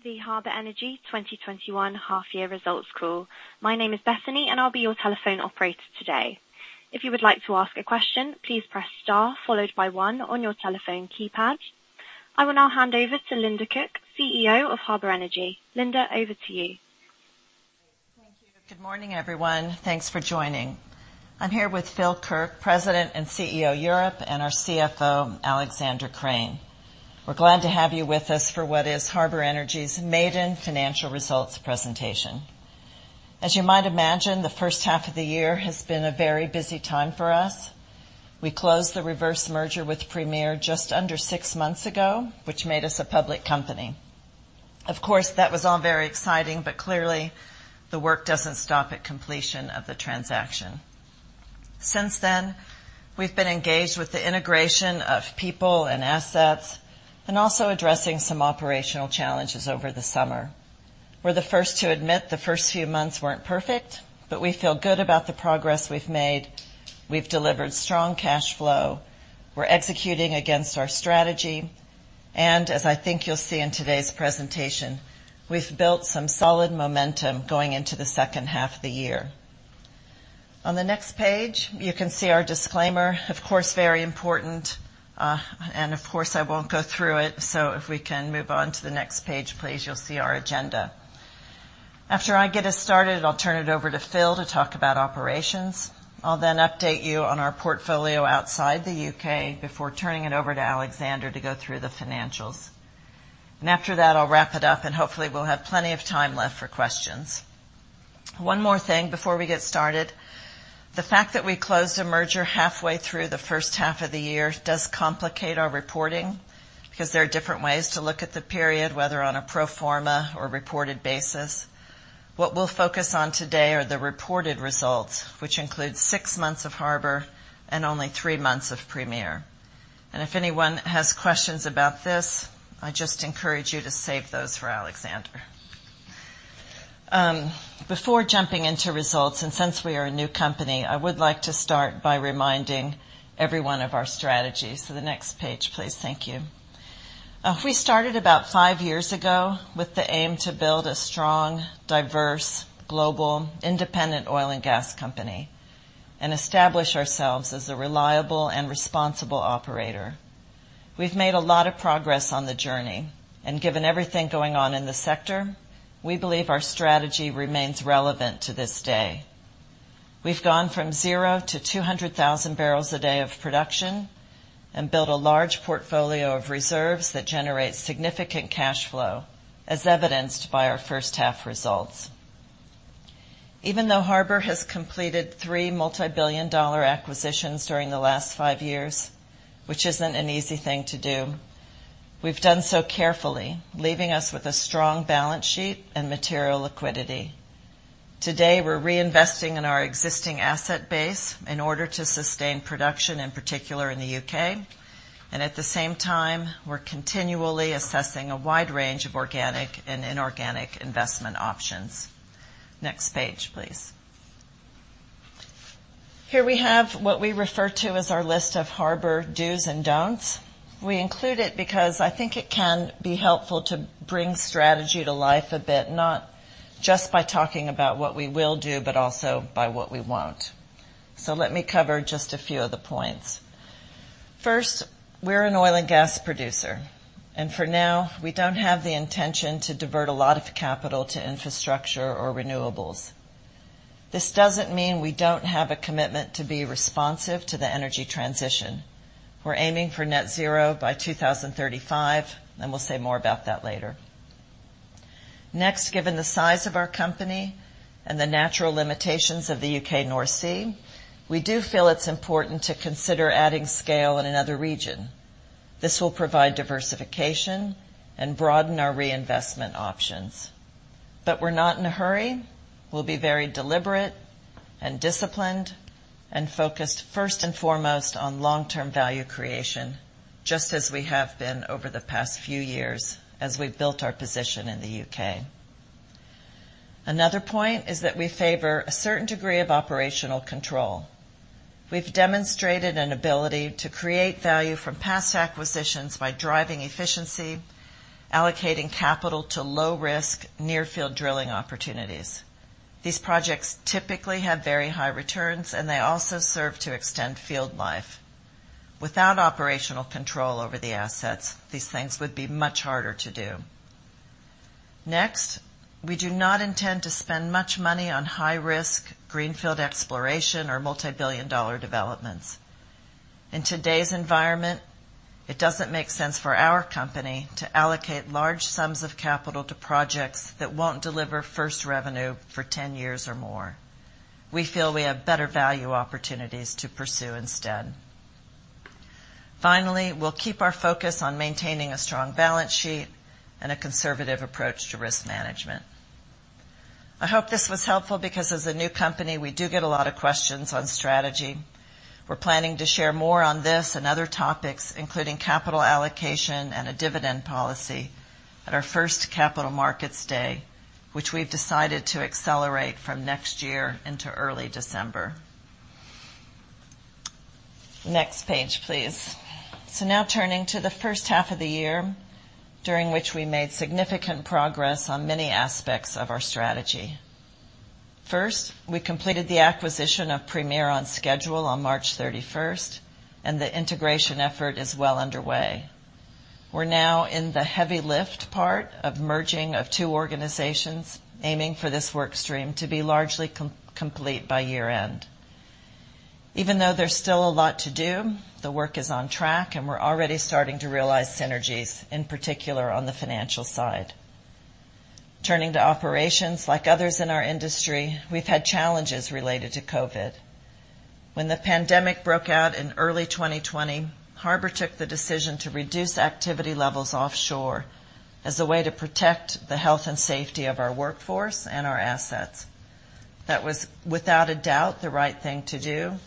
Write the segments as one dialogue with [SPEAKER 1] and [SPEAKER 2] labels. [SPEAKER 1] Welcome to the Harbour Energy 2021 half-year results call. My name is Bethany, and I'll be your telephone operator today. If you would like to ask a question, please press star followed by one on your telephone keypad. I will now hand over to Linda Cook, CEO of Harbour Energy. Linda, over to you.
[SPEAKER 2] Thank you. Good morning, everyone. Thanks for joining. I'm here with Phil Kirk, President and CEO Europe, and our CFO, Alexander Krane. We're glad to have you with us for what is Harbour Energy's maiden financial results presentation. As you might imagine, the first half of the year has been a very busy time for us. We closed the reverse merger with Premier just under six months ago, which made us a public company. Of course, that was all very exciting, but clearly, the work doesn't stop at completion of the transaction. Since then, we've been engaged with the integration of people and assets, and also addressing some operational challenges over the summer. We're the first to admit the first few months weren't perfect, but we feel good about the progress we've made. We've delivered strong cash flow. We're executing against our strategy. As I think you'll see in today's presentation, we've built some solid momentum going into the second half of the year. On the next page, you can see our disclaimer. Of course, very important. Of course, I won't go through it, so if we can move on to the next page, please. You'll see our agenda. After I get us started, I'll turn it over to Phil to talk about operations. I'll then update you on our portfolio outside the U.K. before turning it over to Alexander Krane to go through the financials. After that, I'll wrap it up and hopefully we'll have plenty of time left for questions. One more thing before we get started. The fact that we closed a merger halfway through the first half of the year does complicate our reporting, because there are different ways to look at the period, whether on a pro forma or reported basis. What we'll focus on today are the reported results, which include six months of Harbour and only three months of Premier. If anyone has questions about this, I just encourage you to save those for Alexander. Before jumping into results, since we are a new company, I would like to start by reminding everyone of our strategy. The next page, please. Thank you. We started about five years ago with the aim to build a strong, diverse, global independent oil and gas company and establish ourselves as a reliable and responsible operator. We've made a lot of progress on the journey. Given everything going on in the sector, we believe our strategy remains relevant to this day. We've gone from zero to 200,000 bbl a day of production and built a large portfolio of reserves that generate significant cash flow, as evidenced by our first half results. Even though Harbour has completed three multi-billion-dollar acquisitions during the last five years, which isn't an easy thing to do, we've done so carefully, leaving us with a strong balance sheet and material liquidity. Today, we're reinvesting in our existing asset base in order to sustain production, in particular in the U.K. At the same time, we're continually assessing a wide range of organic and inorganic investment options. Next page, please. Here we have what we refer to as our list of Harbour dos and don'ts. We include it because I think it can be helpful to bring strategy to life a bit, not just by talking about what we will do, but also by what we won't. Let me cover just a few of the points. First, we're an oil and gas producer. For now, we don't have the intention to divert a lot of capital to infrastructure or renewables. This doesn't mean we don't have a commitment to be responsive to the energy transition. We're aiming for net zero by 2035, and we'll say more about that later. Next, given the size of our company and the natural limitations of the U.K. North Sea, we do feel it's important to consider adding scale in another region. This will provide diversification and broaden our reinvestment options. We're not in a hurry. We'll be very deliberate and disciplined and focused first and foremost on long-term value creation, just as we have been over the past few years as we've built our position in the U.K. Another point is that we favor a certain degree of operational control. We've demonstrated an ability to create value from past acquisitions by driving efficiency, allocating capital to low risk near-field drilling opportunities. These projects typically have very high returns, and they also serve to extend field life. Without operational control over the assets, these things would be much harder to do. Next, we do not intend to spend much money on high risk greenfield exploration or multi-billion dollar developments. In today's environment, it doesn't make sense for our company to allocate large sums of capital to projects that won't deliver first revenue for 10 years or more. We feel we have better value opportunities to pursue instead. Finally, we'll keep our focus on maintaining a strong balance sheet and a conservative approach to risk management. I hope this was helpful because as a new company, we do get a lot of questions on strategy. We're planning to share more on this and other topics, including capital allocation and a dividend policy at our first capital markets day, which we've decided to accelerate from next year into early December. Next page, please. Now turning to the first half of the year, during which we made significant progress on many aspects of our strategy. First, we completed the acquisition of Premier on schedule on March 31st, and the integration effort is well underway. We're now in the heavy lift part of merging of two organizations, aiming for this work stream to be largely complete by year-end. There's still a lot to do, the work is on track, and we're already starting to realize synergies, in particular on the financial side. Turning to operations, like others in our industry, we've had challenges related to COVID. When the pandemic broke out in early 2020, Harbour took the decision to reduce activity levels offshore as a way to protect the health and safety of our workforce and our assets. That was without a doubt the right thing to do,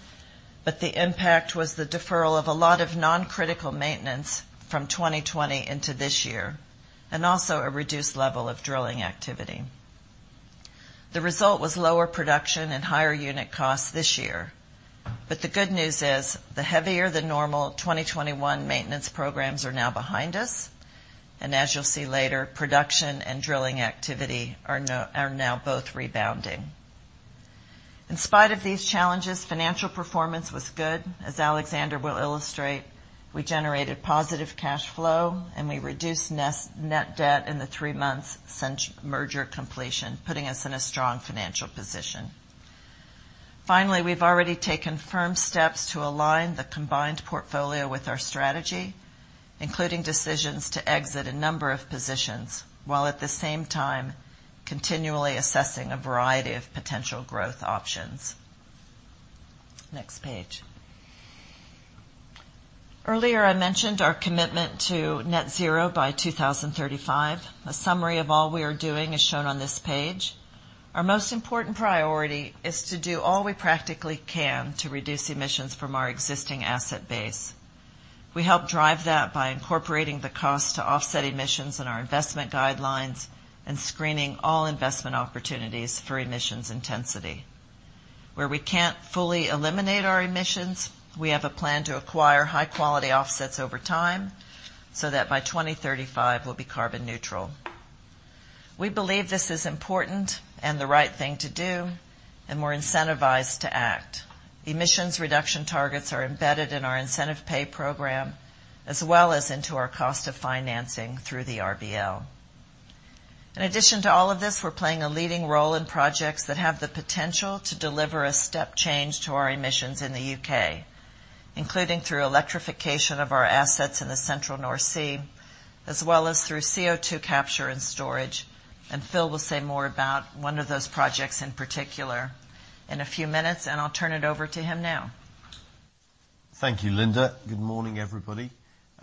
[SPEAKER 2] the impact was the deferral of a lot of non-critical maintenance from 2020 into this year, and also a reduced level of drilling activity. The result was lower production and higher unit costs this year. The good news is, the heavier-than-normal 2021 maintenance programs are now behind us, and as you'll see later, production and drilling activity are now both rebounding. In spite of these challenges, financial performance was good. As Alexander will illustrate, we generated positive cash flow, and we reduced net debt in the three months since merger completion, putting us in a strong financial position. Finally, we've already taken firm steps to align the combined portfolio with our strategy, including decisions to exit a number of positions, while at the same time continually assessing a variety of potential growth options. Next page. Earlier, I mentioned our commitment to net zero by 2035. A summary of all we are doing is shown on this page. Our most important priority is to do all we practically can to reduce emissions from our existing asset base. We help drive that by incorporating the cost to offset emissions in our investment guidelines and screening all investment opportunities for emissions intensity. Where we can't fully eliminate our emissions, we have a plan to acquire high-quality offsets over time so that by 2035, we'll be carbon neutral. We believe this is important and the right thing to do, and we're incentivized to act. Emissions reduction targets are embedded in our incentive pay program, as well as into our cost of financing through the RBL. In addition to all of this, we're playing a leading role in projects that have the potential to deliver a step change to our emissions in the U.K., including through electrification of our assets in the central North Sea, as well as through CO2 capture and storage. Phil will say more about one of those projects in particular in a few minutes, and I'll turn it over to him now.
[SPEAKER 3] Thank you, Linda. Good morning, everybody.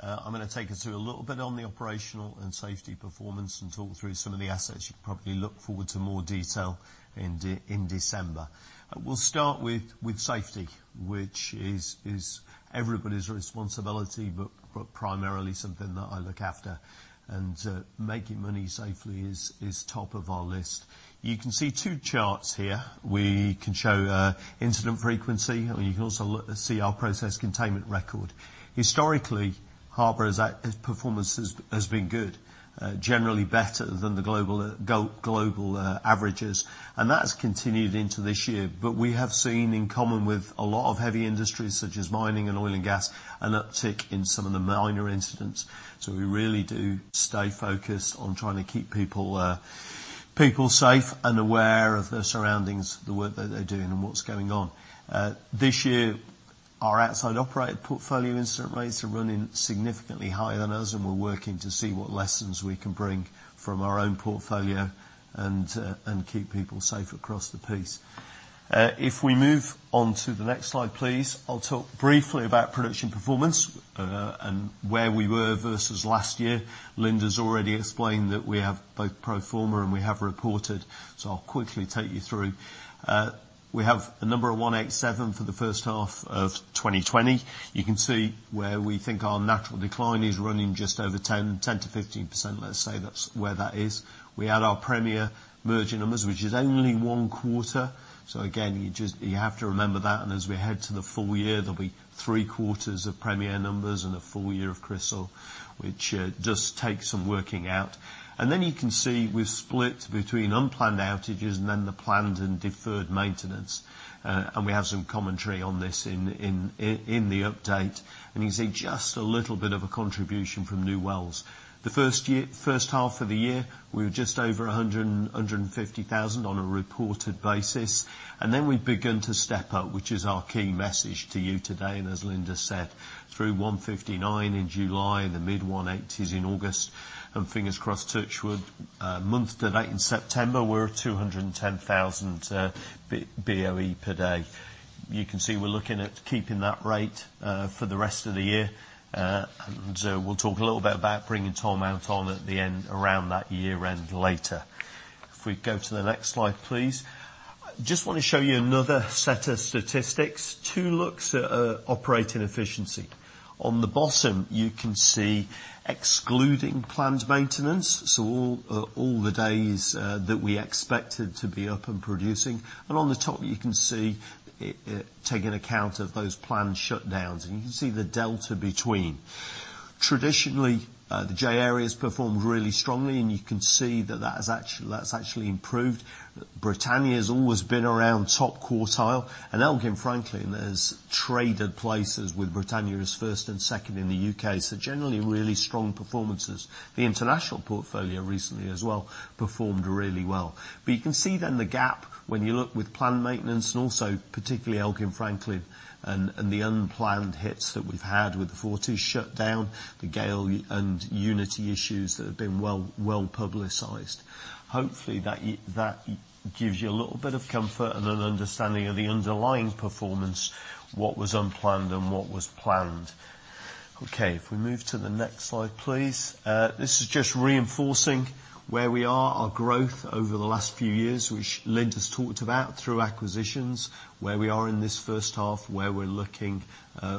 [SPEAKER 3] I'm going to take us through a little bit on the operational and safety performance and talk through some of the assets. You can probably look forward to more detail in December. We'll start with safety, which is everybody's responsibility, but primarily something that I look after. Making money safely is top of our list. You can see two charts here. We can show incident frequency. You can also see our process containment record. Historically, Harbour's performance has been good. Generally better than the global averages, that's continued into this year. We have seen in common with a lot of heavy industries, such as mining and oil and gas, an uptick in some of the minor incidents. We really do stay focused on trying to keep people safe and aware of their surroundings, the work that they're doing, and what's going on. This year, our outside operated portfolio incident rates are running significantly higher than us, and we're working to see what lessons we can bring from our own portfolio and keep people safe across the piece. If we move on to the next slide, please, I'll talk briefly about production performance, and where we were versus last year. Linda's already explained that we have both pro forma and we have reported, so I'll quickly take you through. We have a number of 187 for the first half of 2020. You can see where we think our natural decline is running just over 10%-15%, let's say that's where that is. We add our Premier merger numbers, which is only one quarter. Again, you have to remember that, and as we head to the full-year, there'll be three quarters of Premier numbers and a full-year of Chrysaor, which just takes some working out. Then you can see we've split between unplanned outages and then the planned and deferred maintenance. We have some commentary on this in the update. You can see just a little bit of a contribution from new wells. The first half of the year, we were just over 150,000 on a reported basis. Then we begin to step up, which is our key message to you today, and as Linda said, through 159 in July, the mid-180s in August, and fingers crossed, touch wood, month to date in September, we're at 210,000 BOE per day. You can see we're looking at keeping that rate for the rest of the year. We'll talk a little bit about bringing Tolmount on at the end around that year-end later. If we go to the next slide, please. Just want to show you another set of statistics. Two looks at operating efficiency. On the bottom, you can see excluding planned maintenance, so all the days that we expected to be up and producing. On the top, you can see taking account of those planned shutdowns, and you can see the delta between. Traditionally, the J Area has performed really strongly, and you can see that that has actually improved. Britannia has always been around top quartile, and Elgin and Franklin has traded places with Britannia as first and second in the U.K. Generally, really strong performances. The international portfolio recently as well performed really well. You can see then the gap when you look with planned maintenance and also particularly Elgin and Franklin and the unplanned hits that we've had with the Forties shutdown, the GAEL and Unity issues that have been well-publicized. Hopefully, that gives you a little bit of comfort and an understanding of the underlying performance, what was unplanned, and what was planned. Okay. If we move to the next slide, please. This is just reinforcing where we are, our growth over the last few years, which Lind has talked about through acquisitions, where we are in this first half, where we're looking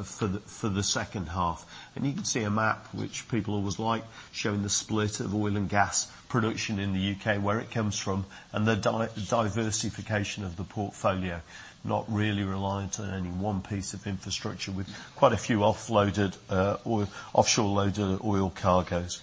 [SPEAKER 3] for the second half. You can see a map which people always like, showing the split of oil and gas production in the U.K., where it comes from, and the diversification of the portfolio, not really reliant on any one piece of infrastructure with quite a few offshore-loaded oil cargos.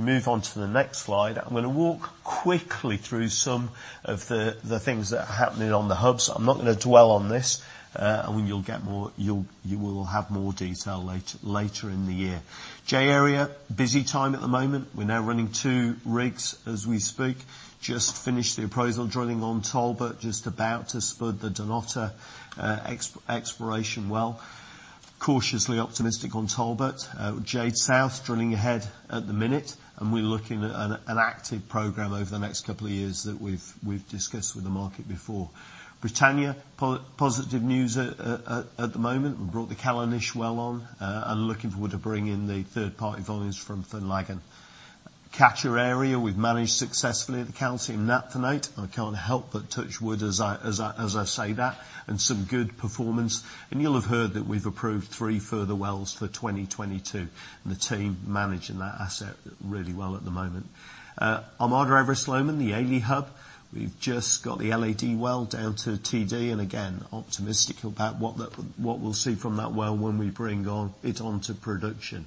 [SPEAKER 3] If you move on to the next slide, I'm going to walk quickly through some of the things that are happening on the hubs. I'm not going to dwell on this. You will have more detail later in the year. J Area, busy time at the moment. We're now running two rigs as we speak. Just finished the appraisal drilling on Talbot, just about to spur the Dunnottar exploration well. Cautiously optimistic on Talbot. Jade South, drilling ahead at the minute, and we're looking at an active program over the next couple of years that we've discussed with the market before. Britannia, positive news at the moment. We brought the Callanish well on and looking forward to bring in the third-party volumes from Finlaggan. Catcher area, we've managed successfully at the calcium and naphthenate. I can't help but touch wood as I say that, and some good performance. You'll have heard that we've approved three further wells for 2022, and the team managing that asset really well at the moment. Armada, Everest, Lomond, the AELE hub. We've just got the LAD well down to TD, and again, optimistic about what we'll see from that well when we bring it onto production.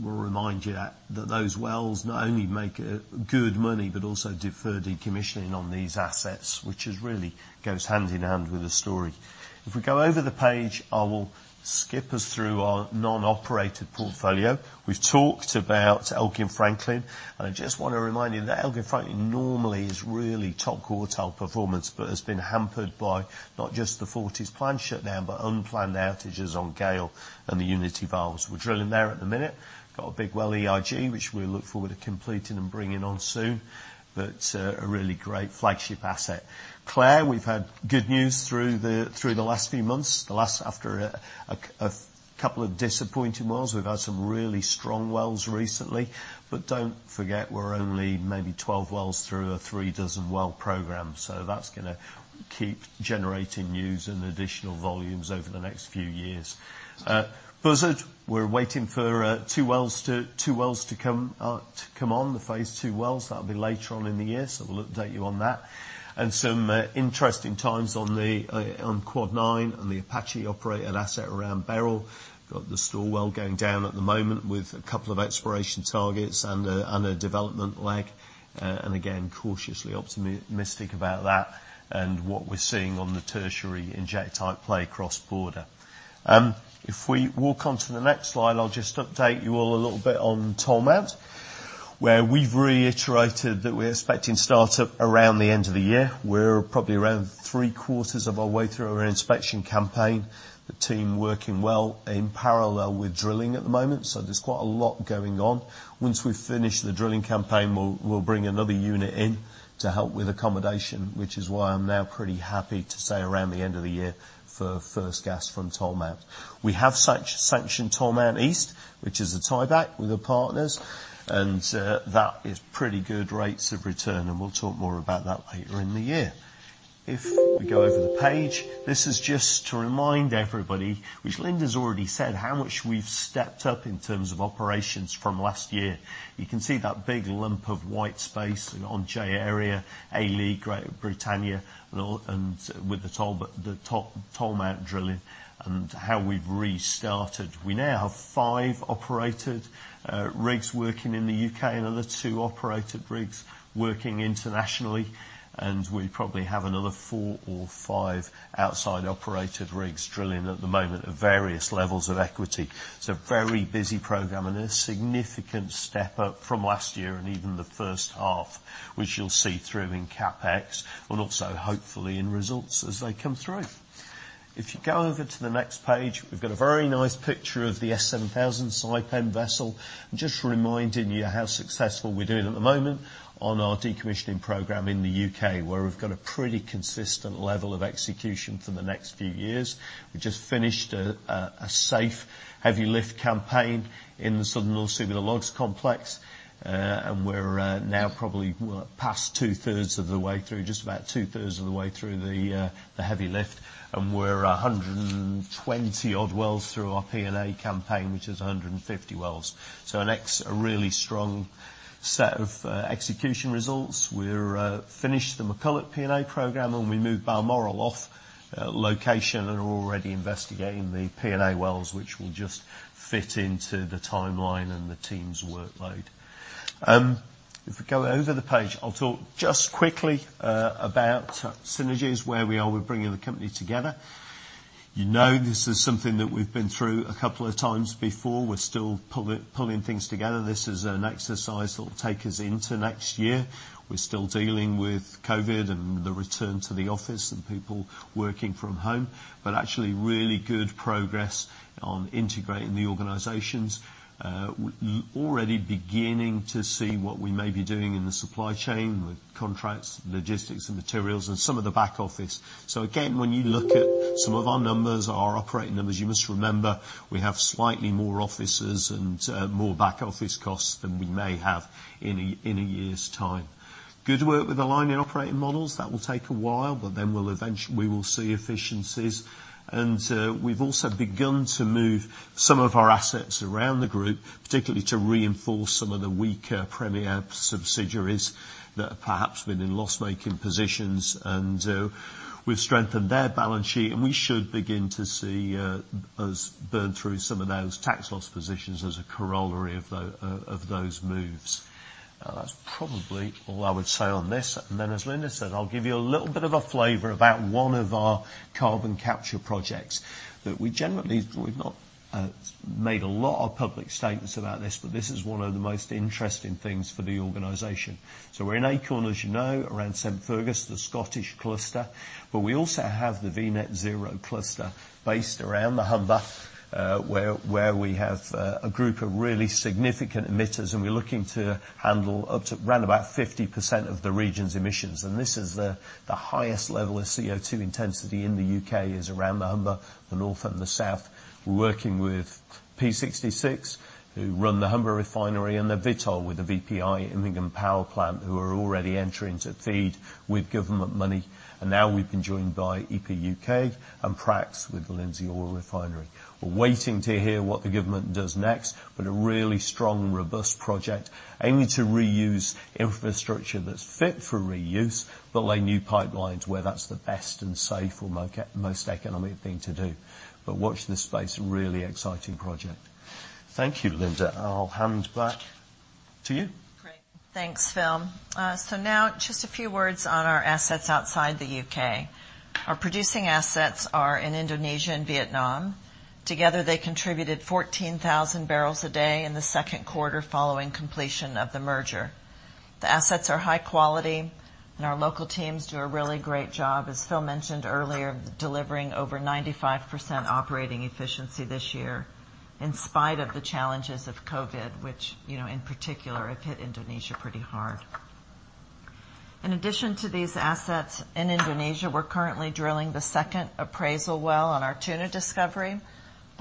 [SPEAKER 3] We'll remind you that those wells not only make good money but also defer decommissioning on these assets, which really goes hand-in-hand with the story. If we go over the page, I will skip us through our non-operated portfolio. We've talked about Elgin and Franklin. I just want to remind you that Elgin and Franklin normally is really top quartile performance, but has been hampered by not just the Forties planned shutdown, but unplanned outages on GAEL and the Unity valves. We're drilling there at the minute. Got a big well, EIG, which we look forward to completing and bringing on soon. A really great flagship asset. Clair, we've had good news through the last few months. After a couple of disappointing wells, we've had some really strong wells recently. Don't forget, we're only maybe 12 wells through a three-dozen well program. That's going to keep generating news and additional volumes over the next few years. Buzzard, we're waiting for two wells to come on, the phase II wells. That'll be later on in the year, so we'll update you on that. Some interesting times on Quad 9 and the Apache-operated asset around Beryl. Got the Storr well going down at the moment with a couple of exploration targets and a development leg. Again, cautiously optimistic about that and what we're seeing on the tertiary injectite play cross-border. If we walk onto the next slide, I'll just update you all a little bit on Tolmount, where we've reiterated that we're expecting start-up around the end of the year. We're probably around three-quarters of our way through our inspection campaign. The team working well in parallel with drilling at the moment, so there's quite a lot going on. Once we finish the drilling campaign, we'll bring another unit in to help with accommodation, which is why I'm now pretty happy to say around the end of the year for first gas from Tolmount. We have sanctioned Tolmount East, which is a tieback with the partners, and that is pretty good rates of return, and we'll talk more about that later in the year. If we go over the page, this is just to remind everybody, which Lind has already said, how much we've stepped up in terms of operations from last year. You can see that big lump of white space on J Area, AELE, Britannia, and with the Tolmount drilling and how we've restarted. We now have five operated rigs working in the U.K., another two operated rigs working internationally, and we probably have another four or five outside-operated rigs drilling at the moment at various levels of equity. It's a very busy program and a significant step up from last year and even the first half, which you'll see through in CapEx and also hopefully in results as they come through. If you go over to the next page, we've got a very nice picture of the Saipem 7000 Saipem vessel. Just reminding you how successful we're doing at the moment on our decommissioning program in the U.K., where we've got a pretty consistent level of execution for the next few years. We just finished a safe heavy lift campaign in the Southern North Sea with the LOGGS Complex, and we're now probably just about two-thirds of the way through the heavy lift, and we're 120-odd wells through our P&A campaign, which is 150 wells. A really strong set of execution results. We finished the McCulloch P&A program, and we moved Balmoral off location and are already investigating the P&A wells, which will just fit into the timeline and the team's workload. If we go over the page, I'll talk just quickly about synergies, where we are with bringing the company together. You know this is something that we've been through a couple of times before. We're still pulling things together. This is an exercise that will take us into next year. We're still dealing with COVID and the return to the office and people working from home. Actually, really good progress on integrating the organizations. Already beginning to see what we may be doing in the supply chain with contracts, logistics, and materials, and some of the back office. Again, when you look at some of our numbers, our operating numbers, you must remember we have slightly more offices and more back-office costs than we may have in a year's time. Good work with aligning operating models. That will take a while, but then we will see efficiencies. We've also begun to move some of our assets around the group, particularly to reinforce some of the weaker Premier subsidiaries that have perhaps been in loss-making positions, and we've strengthened their balance sheet. We should begin to see us burn through some of those tax loss positions as a corollary of those moves. That's probably all I would say on this. Then, as Linda said, I'll give you a little bit of a flavor about one of our carbon capture projects that we've not made a lot of public statements about this, but this is one of the most interesting things for the organization. We're in Acorn, as you know, around St. Fergus, the Scottish cluster, but we also have the V Net Zero cluster based around the Humber, where we have a group of really significant emitters, and we're looking to handle up to around about 50% of the region's emissions. This is the highest level of CO2 intensity in the U.K. is around the Humber, the north and the south. We're working with P66, who run the Humber refinery, and then Vitol, with the VPI Immingham power plant, who are already entering to FEED with government money. Now we've been joined by EP UK and Prax with the Lindsey Oil Refinery. We're waiting to hear what the government does next, but a really strong, robust project aiming to reuse infrastructure that's fit for reuse, but lay new pipelines where that's the best and safe or most economic thing to do. Watch this space. Really exciting project. Thank you, Linda. I'll hand back to you.
[SPEAKER 2] Great. Thanks, Phil. Now, just a few words on our assets outside the U.K. Our producing assets are in Indonesia and Vietnam. Together, they contributed 14,000 bbl a day in the second quarter following completion of the merger. The assets are high quality, and our local teams do a really great job, as Phil mentioned earlier, delivering over 95% operating efficiency this year in spite of the challenges of COVID, which in particular have hit Indonesia pretty hard. In addition to these assets in Indonesia, we're currently drilling the second appraisal well on our Tuna discovery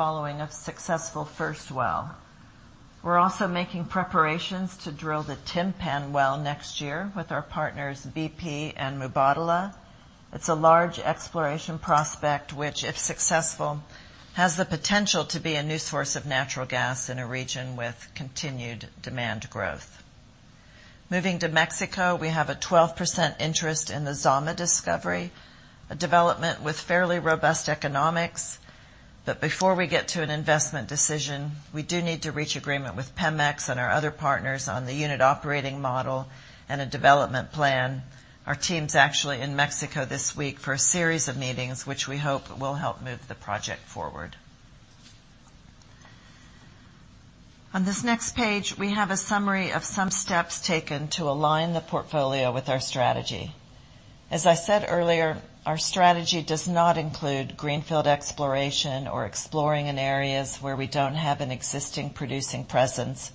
[SPEAKER 2] following a successful first well. We're also making preparations to drill the Timpan well next year with our partners BP and Mubadala. It's a large exploration prospect, which, if successful, has the potential to be a new source of natural gas in a region with continued demand growth. Moving to Mexico, we have a 12% interest in the Zama discovery, a development with fairly robust economics. Before we get to an investment decision, we do need to reach agreement with Pemex and our other partners on the unit operating model and a development plan. Our team's actually in Mexico this week for a series of meetings, which we hope will help move the project forward. On this next page, we have a summary of some steps taken to align the portfolio with our strategy. As I said earlier, our strategy does not include greenfield exploration or exploring in areas where we don't have an existing producing presence.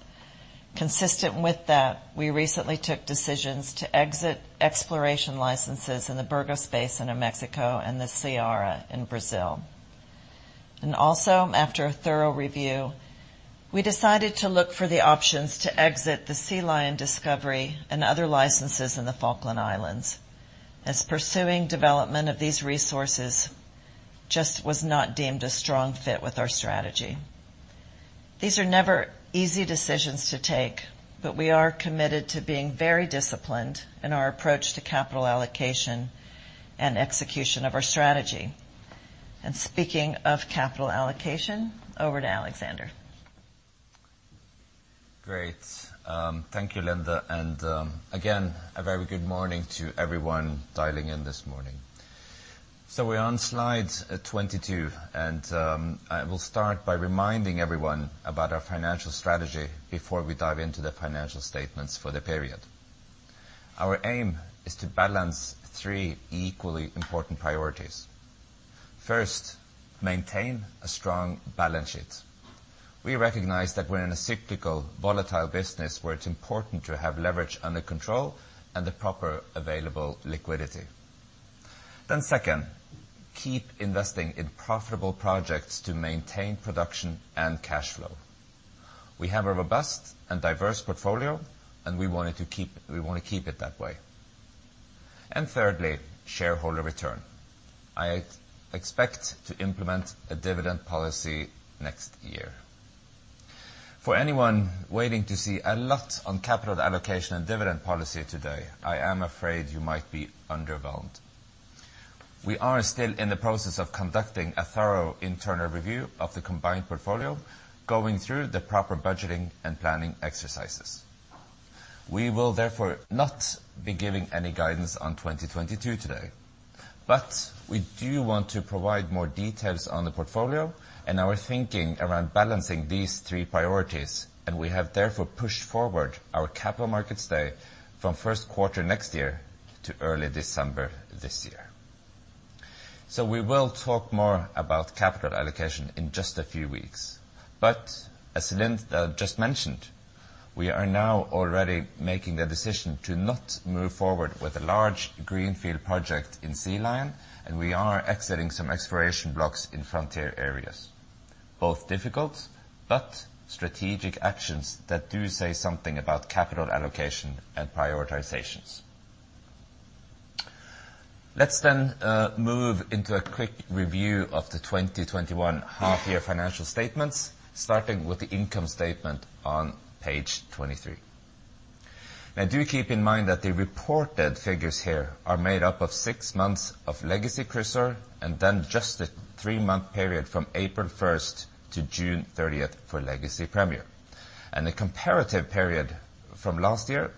[SPEAKER 2] Consistent with that, we recently took decisions to exit exploration licenses in the Burgos Basin in Mexico and the Ceará in Brazil. Also, after a thorough review, we decided to look for the options to exit the Sea Lion discovery and other licenses in the Falkland Islands, as pursuing development of these resources just was not deemed a strong fit with our strategy. These are never easy decisions to take, but we are committed to being very disciplined in our approach to capital allocation and execution of our strategy. Speaking of capital allocation, over to Alexander Krane.
[SPEAKER 4] Great. Thank you, Linda. Again, a very good morning to everyone dialing in this morning. We're on Slide 22, and I will start by reminding everyone about our financial strategy before we dive into the financial statements for the period. Our aim is to balance three equally important priorities. First, maintain a strong balance sheet. We recognize that we're in a cyclical, volatile business where it's important to have leverage under control and the proper available liquidity. Second, keep investing in profitable projects to maintain production and cash flow. We have a robust and diverse portfolio, and we want to keep it that way. Thirdly, shareholder return. I expect to implement a dividend policy next year. For anyone waiting to see a lot on capital allocation and dividend policy today, I am afraid you might be underwhelmed. We are still in the process of conducting a thorough internal review of the combined portfolio, going through the proper budgeting and planning exercises. We will therefore not be giving any guidance on 2022 today. We do want to provide more details on the portfolio and our thinking around balancing these three priorities, and we have therefore pushed forward our capital markets day from first quarter next year to early December this year. We will talk more about capital allocation in just a few weeks. As Lind just mentioned, we are now already making the decision to not move forward with a large greenfield project in Sea Lion, and we are exiting some exploration blocks in frontier areas. Both difficult but strategic actions that do say something about capital allocation and prioritizations. Let's move into a quick review of the 2021 half-year financial statements, starting with the income statement on Page 23. Do keep in mind that the reported figures here are made up of six months of legacy Chrysaor, and then just the three-month period from April 1st-June 30th for legacy Premier. The comparative period from last year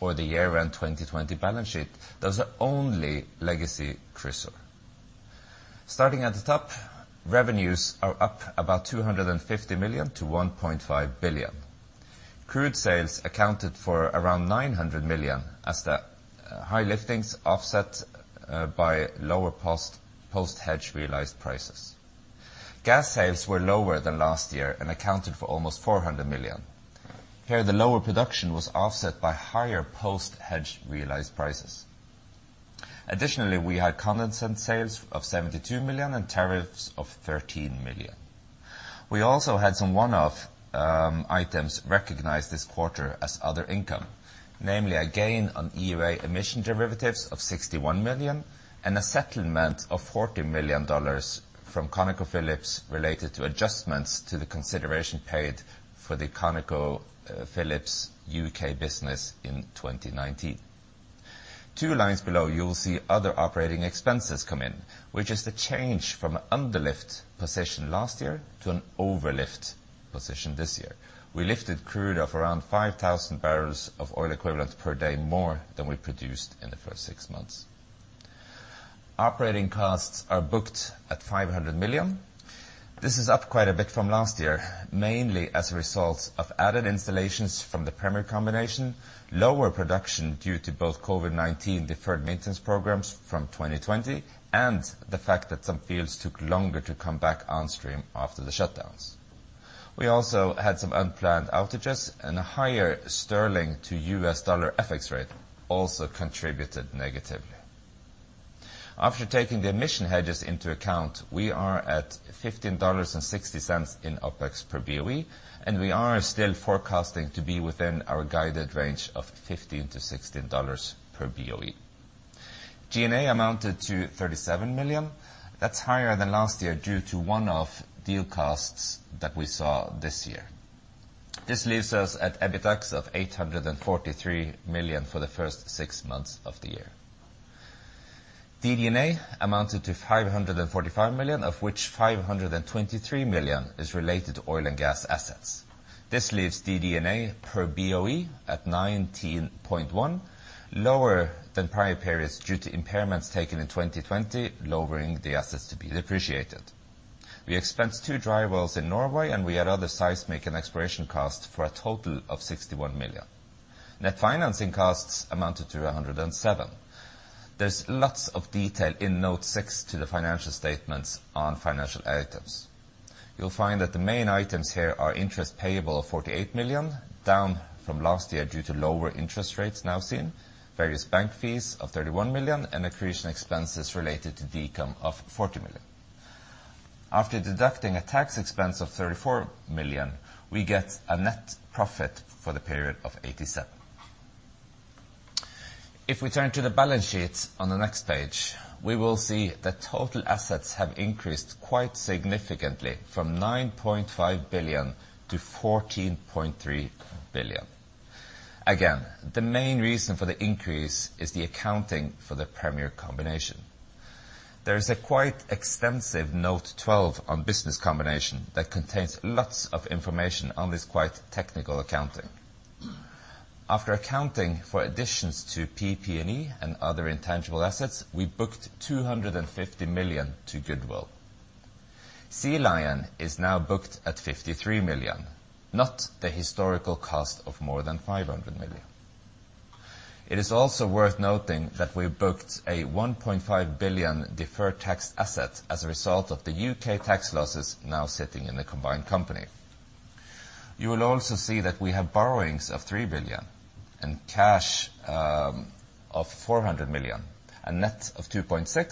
[SPEAKER 4] or the year-end 2020 balance sheet, that's only legacy Chrysaor. Starting at the top, revenues are up about $250 million-$1.5 billion. Crude sales accounted for around $900 million as the high liftings offset by lower post-hedge realized prices. Gas sales were lower than last year and accounted for almost $400 million. Here, the lower production was offset by higher post-hedge realized prices. Additionally, we had condensate sales of $72 million and tariffs of $13 million. We also had some one-off items recognized this quarter as other income. Namely, a gain on EUA emission derivatives of $61 million and a settlement of $40 million from ConocoPhillips related to adjustments to the consideration paid for the ConocoPhillips U.K. business in 2019. Two lines below, you will see other operating expenses come in, which is the change from underlift position last year to an overlift position this year. We lifted crude of around 5,000 bbl of oil equivalent per day more than we produced in the first six months. Operating costs are booked at $500 million. This is up quite a bit from last year, mainly as a result of added installations from the Premier combination, lower production due to both COVID-19 deferred maintenance programs from 2020, and the fact that some fields took longer to come back on stream after the shutdowns. We also had some unplanned outages and a higher sterling to U.S. dollar FX rate also contributed negatively. After taking the emission hedges into account, we are at $15.60 in OpEx per BOE. We are still forecasting to be within our guided range of $15-$16 per BOE. G&A amounted to $37 million. That's higher than last year due to one-off deal costs that we saw this year. This leaves us at EBITDA of $843 million for the first six months of the year. DD&A amounted to $545 million, of which $523 million is related to oil and gas assets. This leaves DD&A per BOE at $19.1, lower than prior periods due to impairments taken in 2020, lowering the assets to be depreciated. We expensed two dry wells in Norway, and we had other seismic and exploration cost for a total of $61 million. Net financing costs amounted to $107. There's lots of detail in note six to the financial statements on financial items. You'll find that the main items here are interest payable of $48 million, down from last year due to lower interest rates now seen, various bank fees of $31 million, and accretion expenses related to the income of $40 million. After deducting a tax expense of $34 million, we get a net profit for the period of $87. If we turn to the balance sheet on the next page, we will see that total assets have increased quite significantly from $9.5 billion to $14.3 billion. The main reason for the increase is the accounting for the Premier combination. There is a quite extensive note 12 on business combination that contains lots of information on this quite technical accounting. After accounting for additions to PP&E and other intangible assets, we booked $250 million to goodwill. Sea Lion is now booked at $53 million, not the historical cost of more than $500 million. It is also worth noting that we booked a $1.5 billion deferred tax asset as a result of the U.K. tax losses now sitting in the combined company. You will also see that we have borrowings of $3 billion and cash of $400 million, a net of $2.6 billion.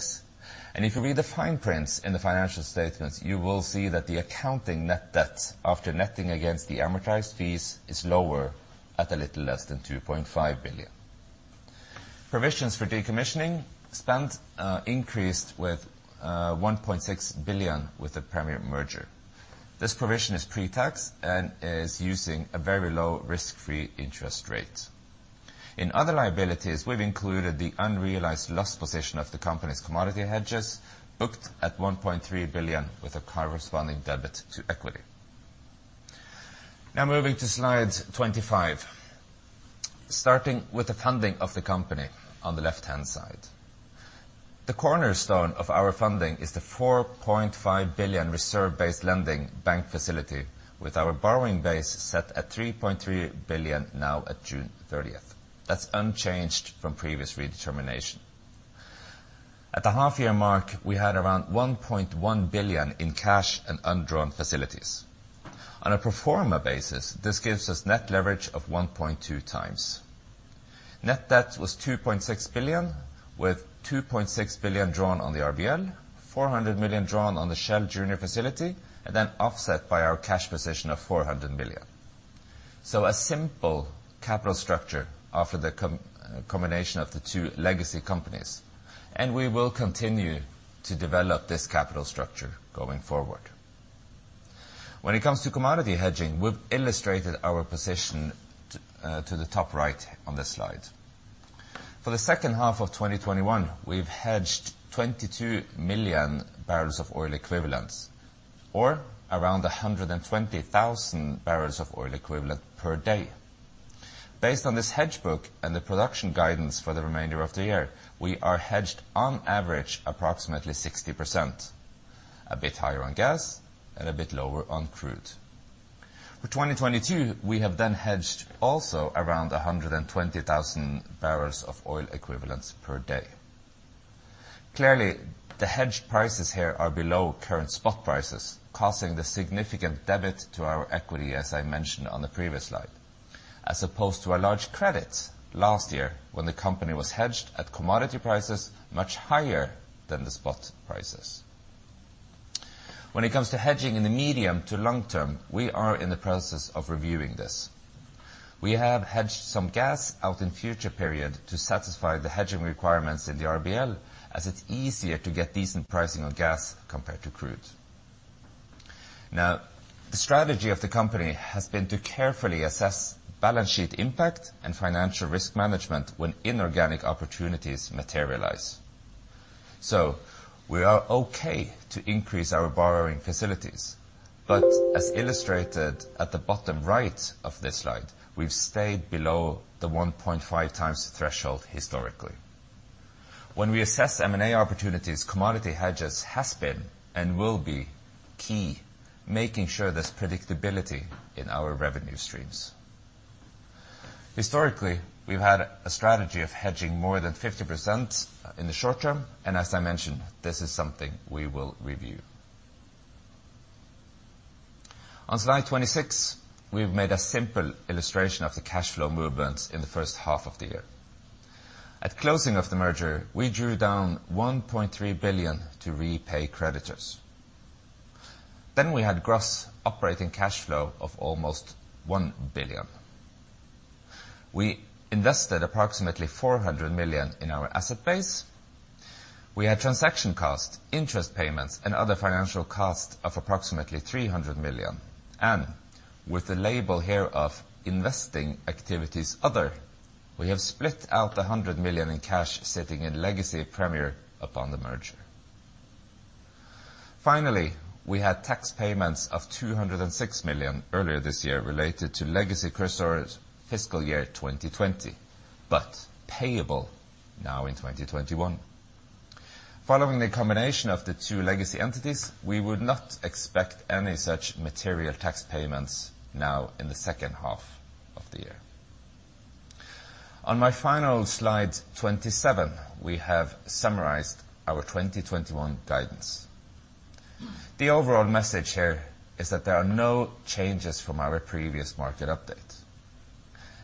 [SPEAKER 4] If you read the fine print in the financial statements, you will see that the accounting net debt after netting against the amortized fees is lower at a little less than $2.5 billion. Provisions for decommissioning spent increased with $1.6 billion with the Premier merger. This provision is pre-tax and is using a very low risk-free interest rate. In other liabilities, we've included the unrealized loss position of the company's commodity hedges, booked at $1.3 billion with a corresponding debit to equity. Now moving to Slide 25, starting with the funding of the company on the left-hand side. The cornerstone of our funding is the $4.5 billion reserve-based lending bank facility with our borrowing base set at $3.3 billion now at June 30th. That's unchanged from previous redetermination. At the half-year mark, we had around $1.1 billion in cash and undrawn facilities. On a pro forma basis, this gives us net leverage of 1.2x. Net debt was 2.6 billion with 2.6 billion drawn on the RBL, 400 million drawn on the Shell junior facility, offset by our cash position of 400 million. A simple capital structure after the combination of the two legacy companies. We will continue to develop this capital structure going forward. When it comes to commodity hedging, we've illustrated our position to the top right on this slide. For the second half of 2021, we've hedged 22 million bbl of oil equivalents, or around 120,000 bbl of oil equivalent per day. Based on this hedge book and the production guidance for the remainder of the year, we are hedged on average approximately 60%, a bit higher on gas and a bit lower on crude. For 2022, we have hedged also around 120,000 bbl of oil equivalents per day. Clearly, the hedged prices here are below current spot prices, causing the significant debit to our equity as I mentioned on the previous slide. As opposed to a large credit last year when the company was hedged at commodity prices much higher than the spot prices. When it comes to hedging in the medium to long-term, we are in the process of reviewing this. We have hedged some gas out in future period to satisfy the hedging requirements in the RBL as it's easier to get decent pricing on gas compared to crude. The strategy of the company has been to carefully assess balance sheet impact and financial risk management when inorganic opportunities materialize. We are okay to increase our borrowing facilities. As illustrated at the bottom right of this slide, we've stayed below the 1.5x threshold historically. When we assess M&A opportunities, commodity hedges has been and will be key, making sure there's predictability in our revenue streams. Historically, we've had a strategy of hedging more than 50% in the short term, and as I mentioned, this is something we will review. On Slide 26, we've made a simple illustration of the cash flow movements in the first half of the year. At closing of the merger, we drew down $1.3 billion to repay creditors. We had gross operating cash flow of almost $1 billion. We invested approximately $400 million in our asset base. We had transaction costs, interest payments, and other financial costs of approximately $300 million. With the label here of investing activities other, we have split out $100 million in cash sitting in Legacy Premier upon the merger. Finally, we had tax payments of $206 million earlier this year related to legacy Chrysaor's fiscal year 2020, but payable now in 2021. Following the combination of the two legacy entities, we would not expect any such material tax payments now in the second half of the year. On my final Slide, 27, we have summarized our 2021 guidance. The overall message here is that there are no changes from our previous market update.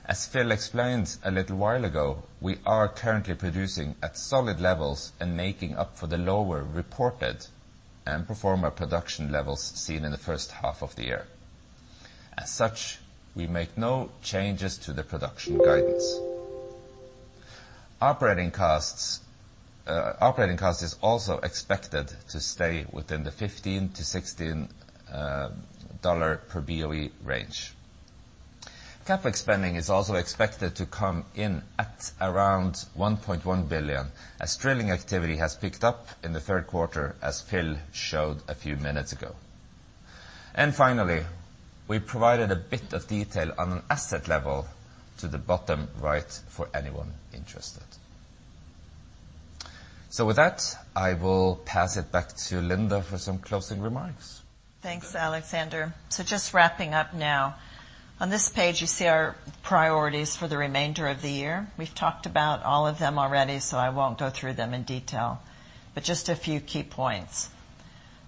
[SPEAKER 4] As Phil explained a little while ago, we are currently producing at solid levels and making up for the lower reported and pro forma production levels seen in the first half of the year. As such, we make no changes to the production guidance. Operating cost is also expected to stay within the $15-$16 per BOE range. Capital spending is also expected to come in at around $1.1 billion, as drilling activity has picked up in the third quarter, as Phil showed a few minutes ago. Finally, we provided a bit of detail on an asset level to the bottom right for anyone interested. With that, I will pass it back to Linda for some closing remarks.
[SPEAKER 2] Thanks, Alexander. Just wrapping up now. On this page, you see our priorities for the remainder of the year. We've talked about all of them already. I won't go through them in detail. Just a few key points.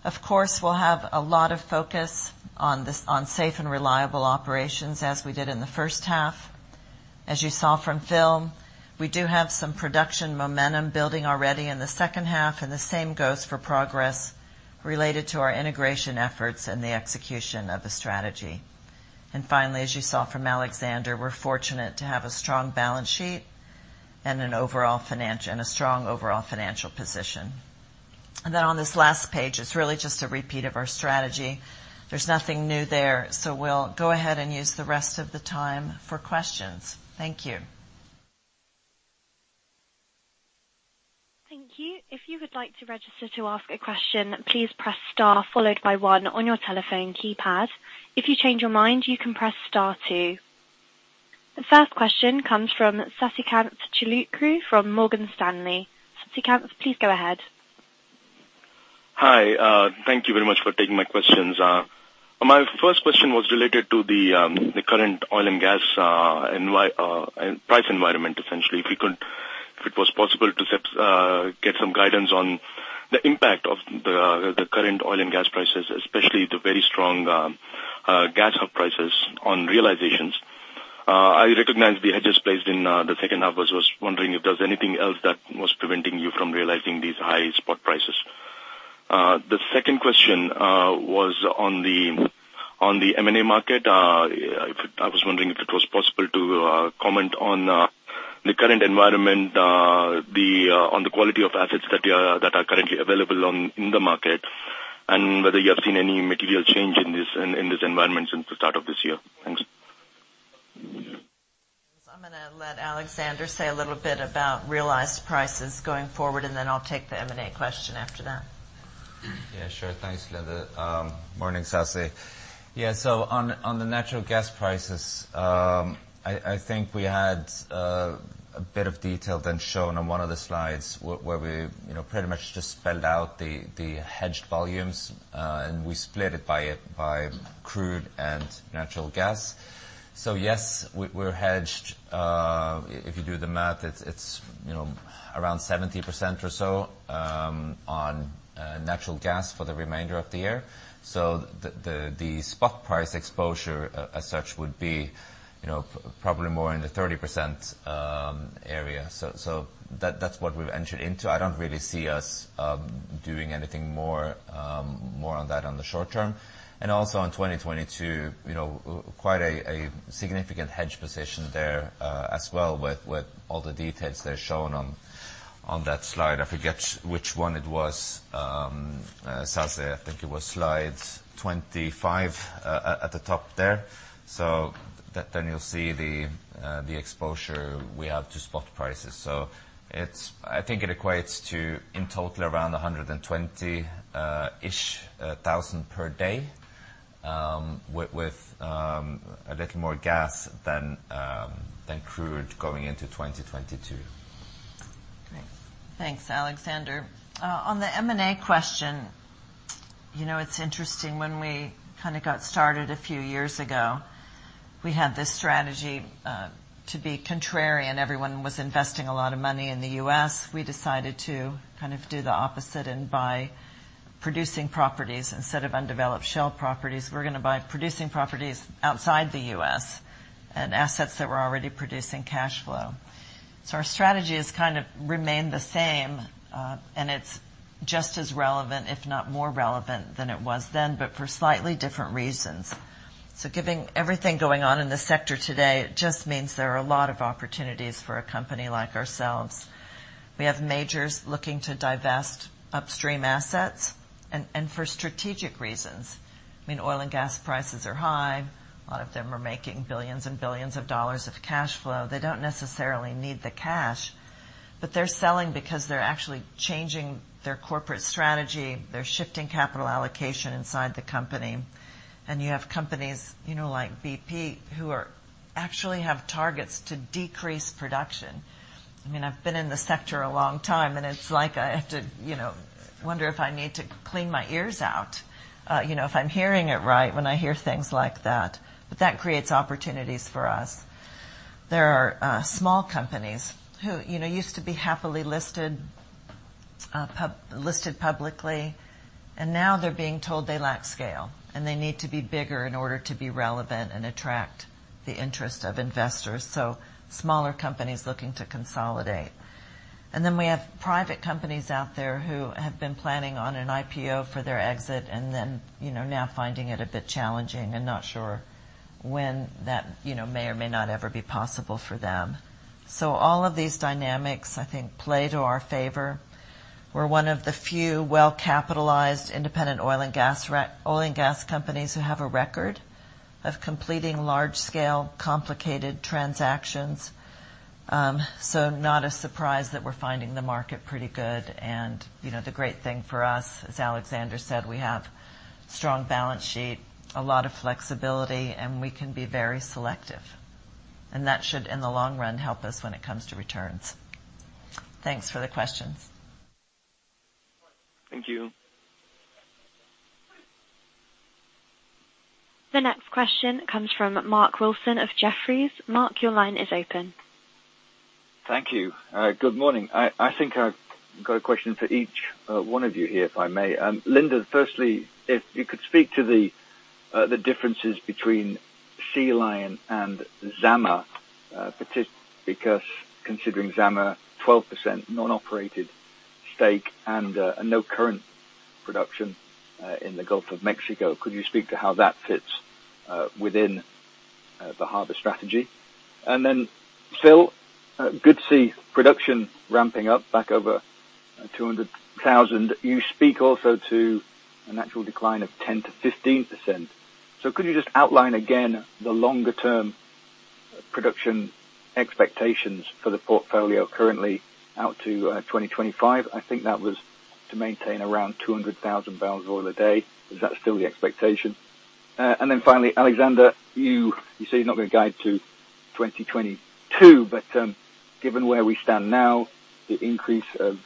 [SPEAKER 2] Of course, we'll have a lot of focus on safe and reliable operations as we did in the first half. As you saw from Phil, we do have some production momentum building already in the second half. The same goes for progress related to our integration efforts and the execution of the strategy. Finally, as you saw from Alexander, we're fortunate to have a strong balance sheet and a strong overall financial position. Then on this last page, it's really just a repeat of our strategy. There's nothing new there. We'll go ahead and use the rest of the time for questions. Thank you.
[SPEAKER 1] Thank you. If you would like to register to ask a question, please press star followed by one on your telephone keypad. If you change your mind, you can press star two. The first question comes from Sasikanth Chilukuru from Morgan Stanley. Sasikanth, please go ahead.
[SPEAKER 5] Hi. Thank you very much for taking my questions. My first question was related to the current oil and gas price environment, essentially. If it was possible to get some guidance on the impact of the current oil and gas prices, especially the very strong gas hub prices on realizations. I recognize the hedges placed in the second half. I was wondering if there's anything else that was preventing you from realizing these high spot prices. The second question was on the M&A market. I was wondering if it was possible to comment on the current environment, on the quality of assets that are currently available in the market, and whether you have seen any material change in this environment since the start of this year. Thanks.
[SPEAKER 2] I'm going to let Alexander say a little bit about realized prices going forward, and then I'll take the M&A question after that.
[SPEAKER 4] Yeah, sure. Thanks, Linda. Morning, Sasi. Yeah, on the natural gas prices, I think we had a bit of detail than shown on one of the slides where we pretty much just spelled out the hedged volumes, and we split it by crude and natural gas. Yes, we're hedged. If you do the math, it's around 70% or so on natural gas for the remainder of the year. The spot price exposure, as such, would be probably more in the 30% area. That's what we've entered into. I don't really see us doing anything more on that on the short term. Also in 2022, quite a significant hedge position there, as well, with all the details there shown on that slide. I forget which one it was, Sasi. I think it was Slide 25 at the top there. You'll see the exposure we have to spot prices. I think it equates to, in total, around 120,000-ish per day, with a little more gas than crude going into 2022.
[SPEAKER 2] Great. Thanks, Alexander. On the M&A question, it's interesting, when we got started a few years ago, we had this strategy to be contrarian. Everyone was investing a lot of money in the U.S. We decided to do the opposite and buy producing properties. Instead of undeveloped shell properties, we're going to buy producing properties outside the U.S. and assets that were already producing cash flow. Our strategy has kind of remained the same, and it's just as relevant, if not more relevant than it was then, but for slightly different reasons. Given everything going on in the sector today, it just means there are a lot of opportunities for a company like ourselves. We have majors looking to divest upstream assets, and for strategic reasons. Oil and gas prices are high. A lot of them are making billions and billions of dollars of cash flow. They don't necessarily need the cash, they're selling because they're actually changing their corporate strategy. They're shifting capital allocation inside the company. You have companies like BP who actually have targets to decrease production. I've been in the sector a long time, and it's like I have to wonder if I need to clean my ears out, if I'm hearing it right when I hear things like that. That creates opportunities for us. There are small companies who used to be happily listed publicly, and now they're being told they lack scale, and they need to be bigger in order to be relevant and attract the interest of investors. Smaller companies looking to consolidate. We have private companies out there who have been planning on an IPO for their exit, and now finding it a bit challenging and not sure when that may or may not ever be possible for them. All of these dynamics, I think, play to our favor. We're one of the few well-capitalized independent oil and gas companies who have a record of completing large-scale, complicated transactions. Not a surprise that we're finding the market pretty good, and the great thing for us, as Alexander Krane said, we have strong balance sheet, a lot of flexibility, and we can be very selective. That should, in the long run, help us when it comes to returns. Thanks for the questions.
[SPEAKER 5] Thank you.
[SPEAKER 1] The next question comes from Mark Wilson of Jefferies. Mark, your line is open.
[SPEAKER 6] Thank you. Good morning. I think I've got a question for each one of you here, if I may. Linda, firstly, if you could speak to the differences between Sea Lion and Zama, particularly because considering Zama 12% non-operated stake and no current production in the Gulf of Mexico. Could you speak to how that fits within the Harbour strategy? Phil, good to see production ramping up back over 200,000. You speak also to a natural decline of 10%-15%. Could you just outline again the longer term production expectations for the portfolio currently out to 2025? I think that was to maintain around 200,000 bbl oil a day. Is that still the expectation? Finally, Alexander, you said you're not going to guide to 2022, but given where we stand now, the increase of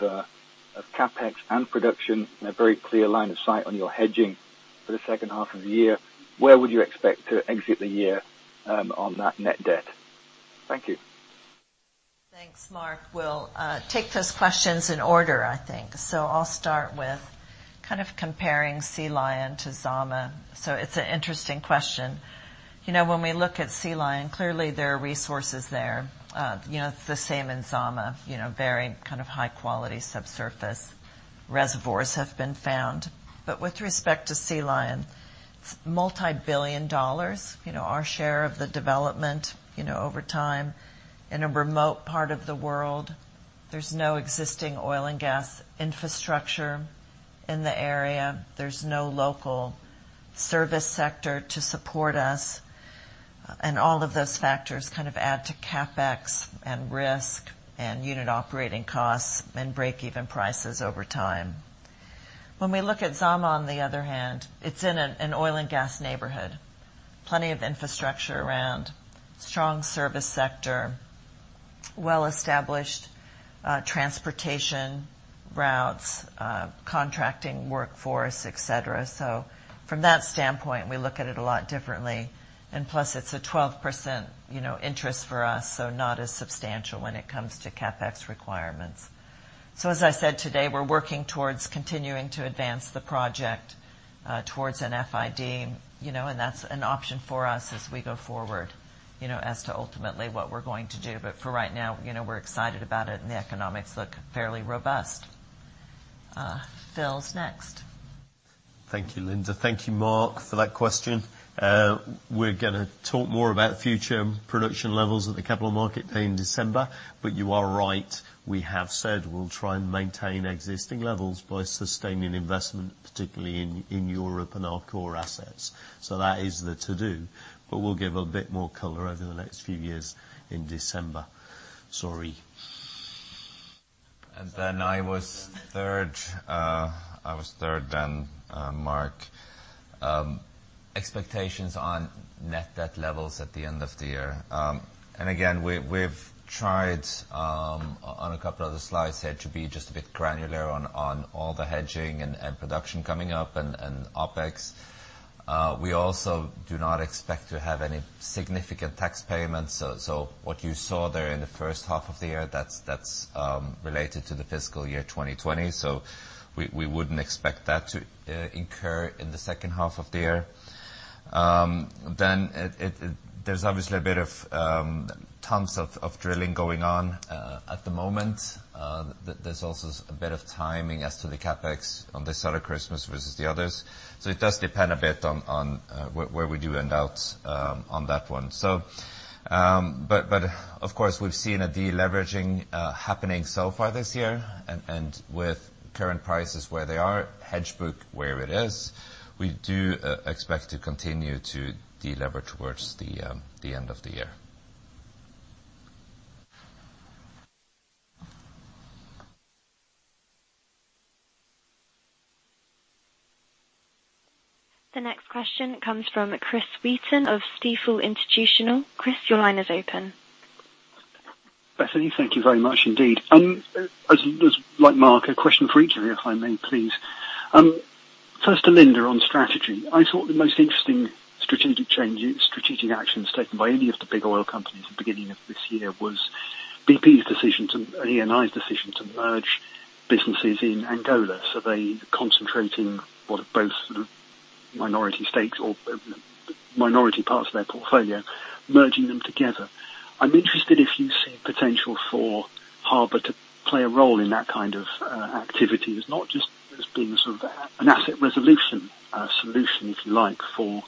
[SPEAKER 6] CapEx and production and a very clear line of sight on your hedging for the second half of the year, where would you expect to exit the year on that net debt? Thank you.
[SPEAKER 2] Thanks, Mark. We'll take those questions in order, I think. I'll start with comparing Sea Lion to Zama. It's an interesting question. When we look at Sea Lion, clearly there are resources there. The same in Zama, very high-quality subsurface reservoirs have been found. With respect to Sea Lion, it's multi-billion dollars, our share of the development over time in a remote part of the world. There's no existing oil and gas infrastructure in the area. There's no local service sector to support us. All of those factors add to CapEx and risk and unit operating costs and break even prices over time. When we look at Zama, on the other hand, it's in an oil and gas neighborhood. Plenty of infrastructure around, strong service sector, well-established transportation routes, contracting workforce, et cetera. From that standpoint, we look at it a lot differently. Plus it's a 12% interest for us, not as substantial when it comes to CapEx requirements. As I said today, we're working towards continuing to advance the project towards an FID. That's an option for us as we go forward, as to ultimately what we're going to do. For right now, we're excited about it. The economics look fairly robust. Phil's next.
[SPEAKER 3] Thank you, Linda. Thank you, Mark, for that question. We're going to talk more about future production levels at the capital market day in December. You are right, we have said we'll try and maintain existing levels by sustaining investment, particularly in Europe and our core assets. That is the to-do, but we'll give a bit more color over the next few years in December. Sorry.
[SPEAKER 4] I was third then, Mark. Expectations on net debt levels at the end of the year. Again, we've tried, on a couple of other slides here, to be just a bit granular on all the hedging and production coming up and OpEx. We also do not expect to have any significant tax payments. What you saw there in the first half of the year, that's related to the fiscal year 2020. We wouldn't expect that to incur in the second half of the year. There's obviously a bit of tons of drilling going on at the moment. There's also a bit of timing as to the CapEx on this other Christmas versus the others. It does depend a bit on where we do end out on that one. Of course, we've seen a de-leveraging happening so far this year, and with current prices where they are, hedge book where it is, we do expect to continue to de-lever towards the end of the year.
[SPEAKER 1] The next question comes from Chris Wheaton of Stifel Institutional. Chris, your line is open.
[SPEAKER 7] Bethany, thank you very much indeed. As like Mark, a question for each of you, if I may please. First to Linda on strategy. I thought the most interesting strategic actions taken by any of the big oil companies at the beginning of this year was BP's decision to, and Eni's decision to merge businesses in Angola. They concentrating what are both sort of minority stakes or minority parts of their portfolio, merging them together. I'm interested if you see potential for Harbour to play a role in that kind of activity, as not just as being sort of an asset resolution solution, if you like, for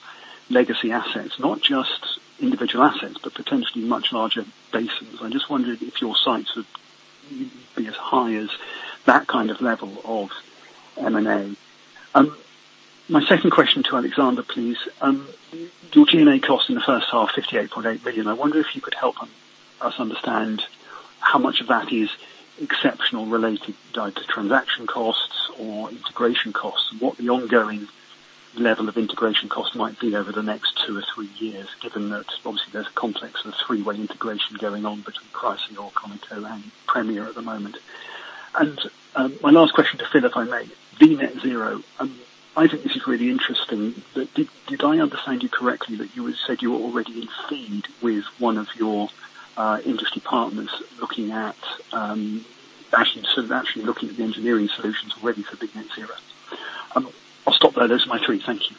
[SPEAKER 7] legacy assets. Not just individual assets, but potentially much larger basins. I just wondered if your sights would be as high as that kind of level of M&A. My second question to Alexander, please. Your GM&A cost in the first half, $58.8 billion. I wonder if you could help us understand how much of that is exceptional related either to transaction costs or integration costs, and what the ongoing level of integration cost might be over the next two or three years, given that obviously there's a complex and a three-way integration going on between Chrysaor, Conoco, and Premier at the moment. My last question to Phil, if I may. Being net zero, I think this is really interesting, did I understand you correctly that you said you were already in FEED with one of your industry partners looking at actually sort of actually looking at the engineering solutions already for V Net Zero? I'll stop there. Those are my three. Thank you.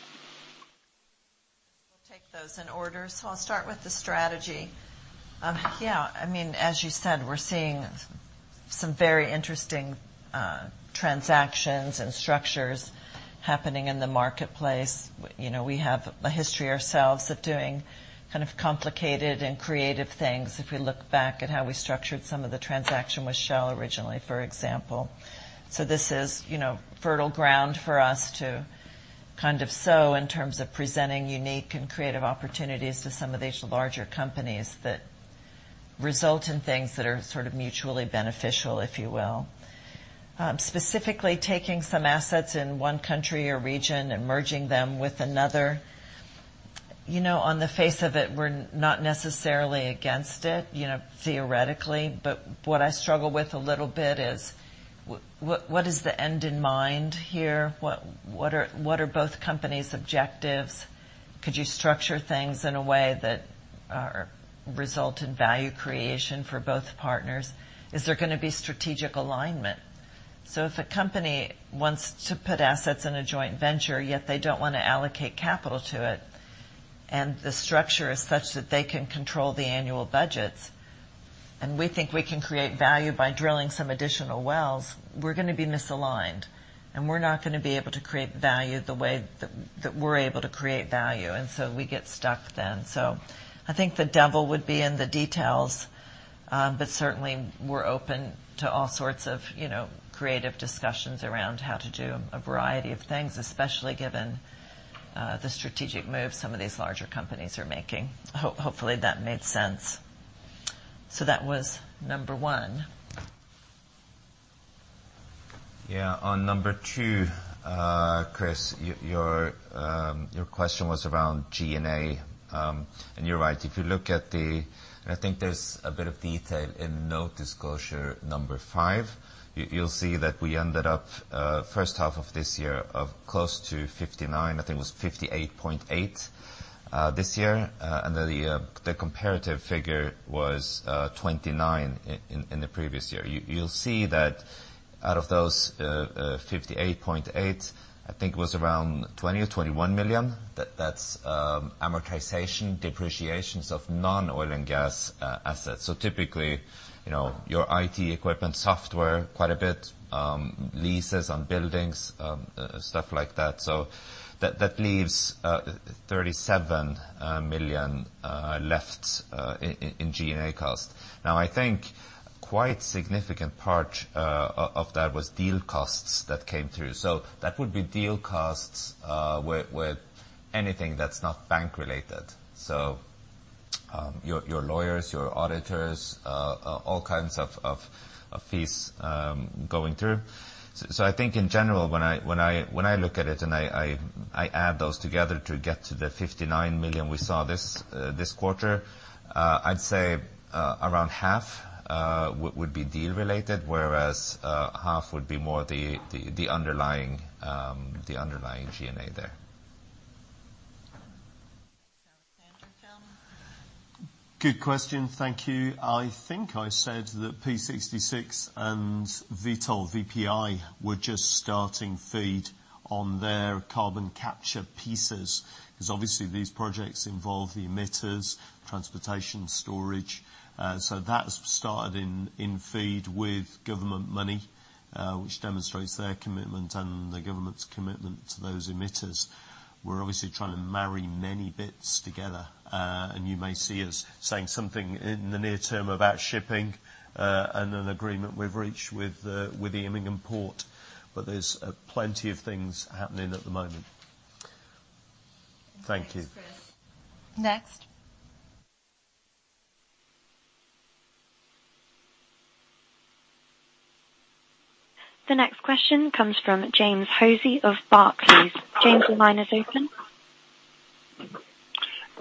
[SPEAKER 2] Those in order. I'll start with the strategy. As you said, we're seeing some very interesting transactions and structures happening in the marketplace. We have a history ourselves of doing kind of complicated and creative things, if we look back at how we structured some of the transaction with shale originally, for example. This is fertile ground for us to sow in terms of presenting unique and creative opportunities to some of these larger companies that result in things that are sort of mutually beneficial, if you will. Specifically, taking some assets in one country or region and merging them with another. On the face of it, we're not necessarily against it, theoretically. What I struggle with a little bit is, what is the end in mind here? What are both companies' objectives? Could you structure things in a way that result in value creation for both partners? Is there going to be strategic alignment? If a company wants to put assets in a joint venture, yet they don't want to allocate capital to it, and the structure is such that they can control the annual budgets, and we think we can create value by drilling some additional wells, we're going to be misaligned, and we're not going to be able to create value the way that we're able to create value. We get stuck then. I think the devil would be in the details. Certainly, we're open to all sorts of creative discussions around how to do a variety of things, especially given the strategic moves some of these larger companies are making. Hopefully, that made sense. That was number one.
[SPEAKER 4] Yeah. On number two, Chris, your question was around G&A. You're right. If you look at, I think there's a bit of detail in note disclosure number five. You'll see that we ended up, first half of this year, close to 59 million, I think it was 58.8 million this year. The comparative figure was 29 million in the previous year. You'll see that out of those 58.8 million, I think it was around 20 million or 21 million that's amortization, depreciations of non-oil and gas assets. Typically, your IT equipment, software quite a bit, leases on buildings, stuff like that. That leaves 37 million left in G&A cost. Now, I think quite significant part of that was deal costs that came through. That would be deal costs with anything that's not bank related. Your lawyers, your auditors, all kinds of fees going through. I think in general, when I look at it and I add those together to get to the $59 million we saw this quarter, I'd say around half would be deal related, whereas half would be more the underlying G&A there.
[SPEAKER 3] Good question. Thank you. I think I said that P-66 and Vitol VPI were just starting FEED on their carbon capture pieces. Obviously these projects involve the emitters, transportation, storage. That started in FEED with government money, which demonstrates their commitment and the government's commitment to those emitters. We're obviously trying to marry many bits together. You may see us saying something in the near term about shipping, and an agreement we've reached with the Immingham Port, but there's plenty of things happening at the moment. Thank you.
[SPEAKER 2] Thanks, Chris. Next.
[SPEAKER 1] The next question comes from James Hosie of Barclays. James, your line is open.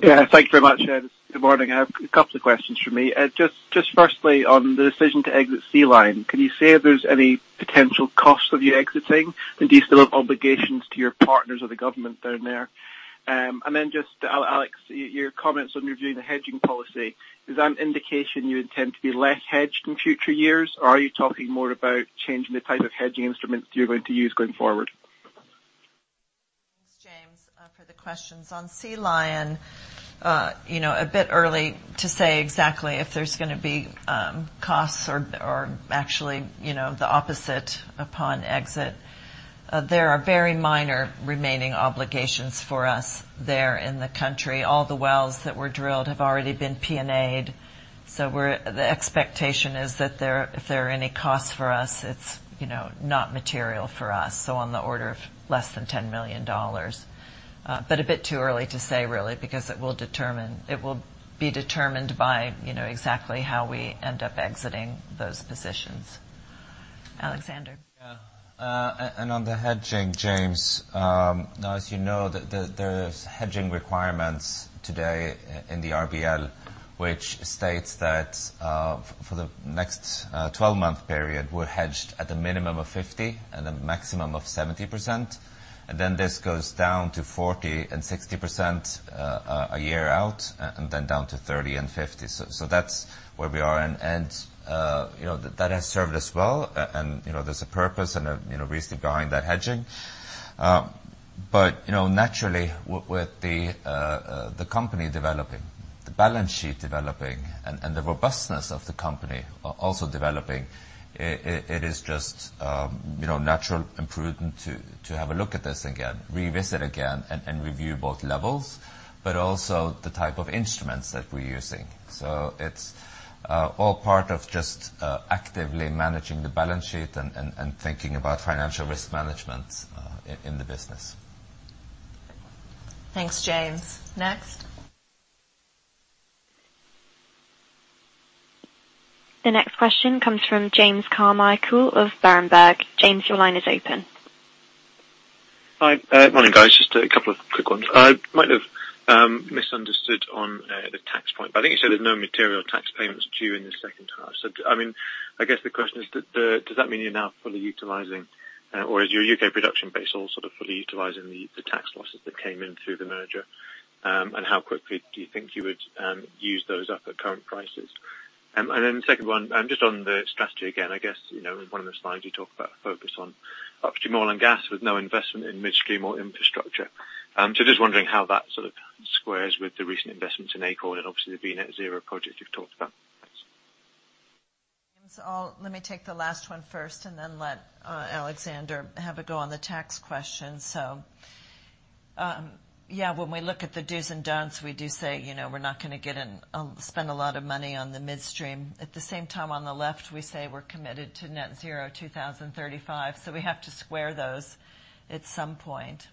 [SPEAKER 8] Yeah, thank you very much. Good morning. I have a couple of questions for me. Just firstly, on the decision to exit Sea Lion, can you say if there's any potential cost of you exiting, and do you still have obligations to your partners or the government down there? Just Alex, your comments on reviewing the hedging policy, is that an indication you intend to be less hedged in future years, or are you talking more about changing the type of hedging instruments you're going to use going forward?
[SPEAKER 2] Thanks, James, for the questions. On Sea Lion, a bit early to say exactly if there's going to be costs or actually the opposite upon exit. There are very minor remaining obligations for us there in the country. All the wells that were drilled have already been P&A'd. The expectation is that if there are any costs for us, it's not material for us. On the order of less than $10 million. A bit too early to say, really, because it will be determined by exactly how we end up exiting those positions. Alexander.
[SPEAKER 4] Yeah. On the hedging, James, now as you know, there's hedging requirements today in the RBL, which states that for the next 12-month period, we're hedged at a minimum of 50% and a maximum of 70%. Then this goes down to 40% and 60% a year out, then down to 30% and 50%. That's where we are and that has served us well and there's a purpose and a reason behind that hedging. But naturally, with the company developing, the balance sheet developing, and the robustness of the company also developing, it is just natural improvement to have a look at this again, revisit again, and review both levels, but also the type of instruments that we're using. It's all part of just actively managing the balance sheet and thinking about financial risk management in the business.
[SPEAKER 2] Thanks, James. Next?
[SPEAKER 1] The next question comes from James Carmichael of Berenberg. James, your line is open.
[SPEAKER 9] Hi. Morning, guys. Just a couple of quick ones. I might have misunderstood on the tax point, but I think you said there's no material tax payments due in the second half. I guess the question is, does that mean you're now fully utilizing, or is your U.K. production base all sort of fully utilizing the tax losses that came in through the merger? How quickly do you think you would use those up at current prices? Then the second one, just on the strategy again, I guess, in 1 of the slides you talk about focus on upstream oil and gas with no investment in midstream or infrastructure. Just wondering how that sort of squares with the recent investments in Acorn and obviously the V Net Zero project you've talked about. Thanks.
[SPEAKER 2] I'll take the last one first and then let Alexander have a go on the tax question. Yeah, when we look at the dos and don'ts, we do say, we're not going to spend a lot of money on the midstream. At the same time, on the left, we say we're committed to net zero 2035, so we have to square those at some point.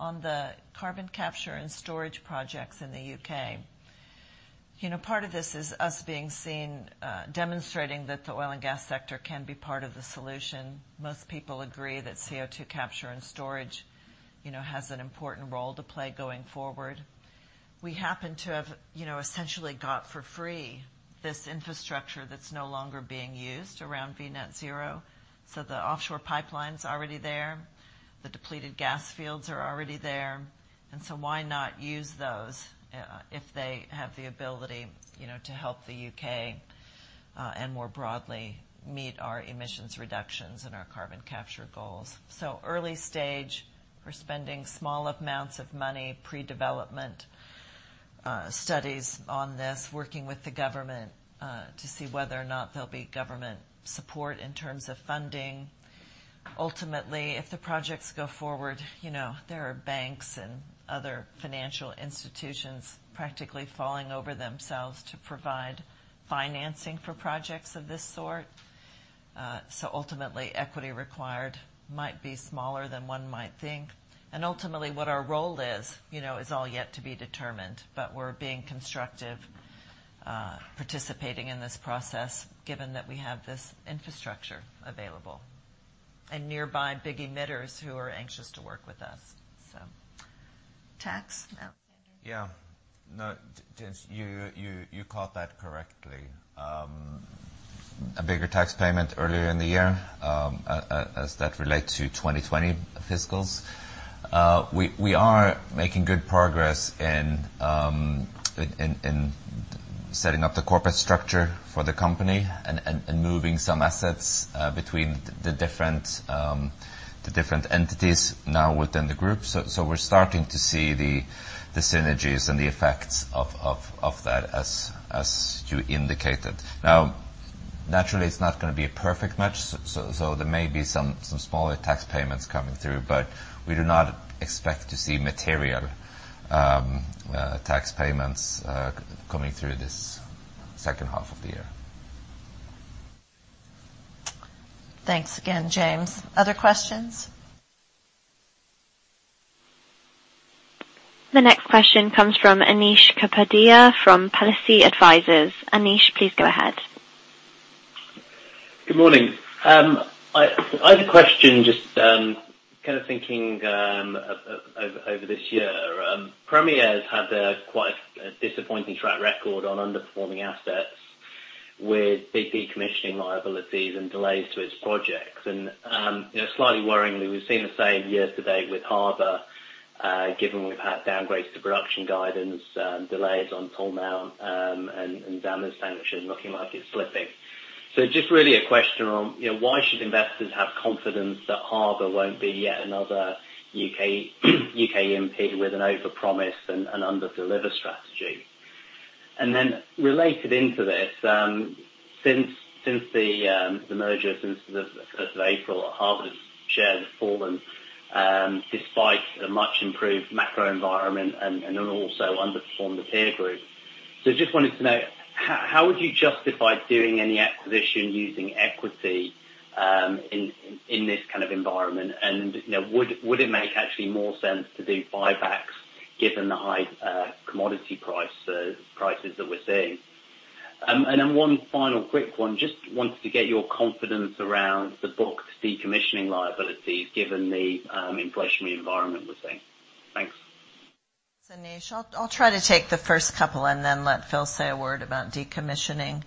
[SPEAKER 2] On the carbon capture and storage projects in the U.K., part of this is us being seen demonstrating that the oil and gas sector can be part of the solution. Most people agree that CO2 capture and storage has an important role to play going forward. We happen to have essentially got for free this infrastructure that's no longer being used around V Net Zero. The offshore pipeline's already there. The depleted gas fields are already there. Why not use those if they have the ability to help the U.K., and more broadly, meet our emissions reductions and our carbon capture goals? Early stage, we are spending small amounts of money, pre-development studies on this, working with the government, to see whether or not there will be government support in terms of funding. Ultimately, if the projects go forward, there are banks and other financial institutions practically falling over themselves to provide financing for projects of this sort. Ultimately, equity required might be smaller than one might think. Ultimately, what our role is all yet to be determined, but we are being constructive, participating in this process given that we have this infrastructure available and nearby big emitters who are anxious to work with us. Tax, Alexander?
[SPEAKER 4] Yeah. No, James, you caught that correctly. A bigger tax payment earlier in the year, as that relates to 2020 fiscals. We are making good progress in setting up the corporate structure for the company and moving some assets between the different entities now within the group. We're starting to see the synergies and the effects of that as you indicated. Now, naturally, it's not going to be a perfect match, so there may be some smaller tax payments coming through, but we do not expect to see material tax payments coming through this second half of the year.
[SPEAKER 2] Thanks again, James. Other questions?
[SPEAKER 1] The next question comes from Anish Kapadia from Palissy Advisors. Anish, please go ahead.
[SPEAKER 10] Good morning. I had a question, just kind of thinking over this year. Premier Oil's had a quite disappointing track record on underperforming assets with big decommissioning liabilities and delays to its projects. Slightly worryingly, we've seen the same year to date with Harbour, given we've had downgrades to production guidance, delays on Tolmount, Zama sanction looking like it's slipping. Just really a question on why should investors have confidence that Harbour won't be yet another U.K. E&P with an overpromise and underdeliver strategy? Related into this, since the merger, since the 1st of April, Harbour shares have fallen, despite a much improved macro environment and also underperformed the peer group. Just wanted to know, how would you justify doing any acquisition using equity in this kind of environment? Would it make actually more sense to do buybacks given the high commodity prices that we're seeing? One final quick one. Just wanted to get your confidence around the book's decommissioning liabilities given the inflationary environment we're seeing. Thanks.
[SPEAKER 2] Thanks, Anish. I'll try to take the first couple and then let Phil say a word about decommissioning.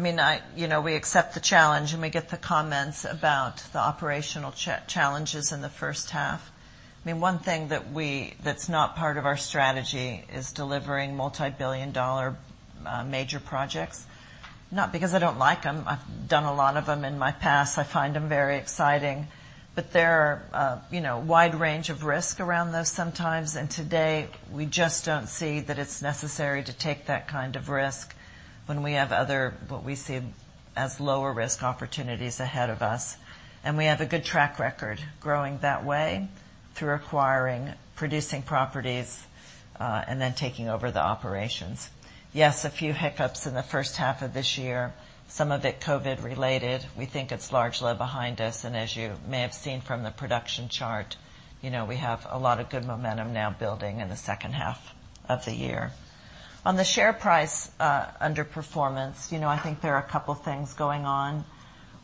[SPEAKER 2] We accept the challenge, and we get the comments about the operational challenges in the first half. One thing that's not part of our strategy is delivering multi-billion dollar major projects. Not because I don't like them. I've done a lot of them in my past. I find them very exciting. There are a wide range of risk around those sometimes, and today, we just don't see that it's necessary to take that kind of risk when we have other, what we see as lower risk opportunities ahead of us. We have a good track record growing that way through acquiring producing properties, and then taking over the operations. Yes, a few hiccups in the first half of this year, some of it COVID related. We think it's largely behind us. As you may have seen from the production chart, we have a lot of good momentum now building in the second half of the year. On the share price underperformance, I think there are two things going on.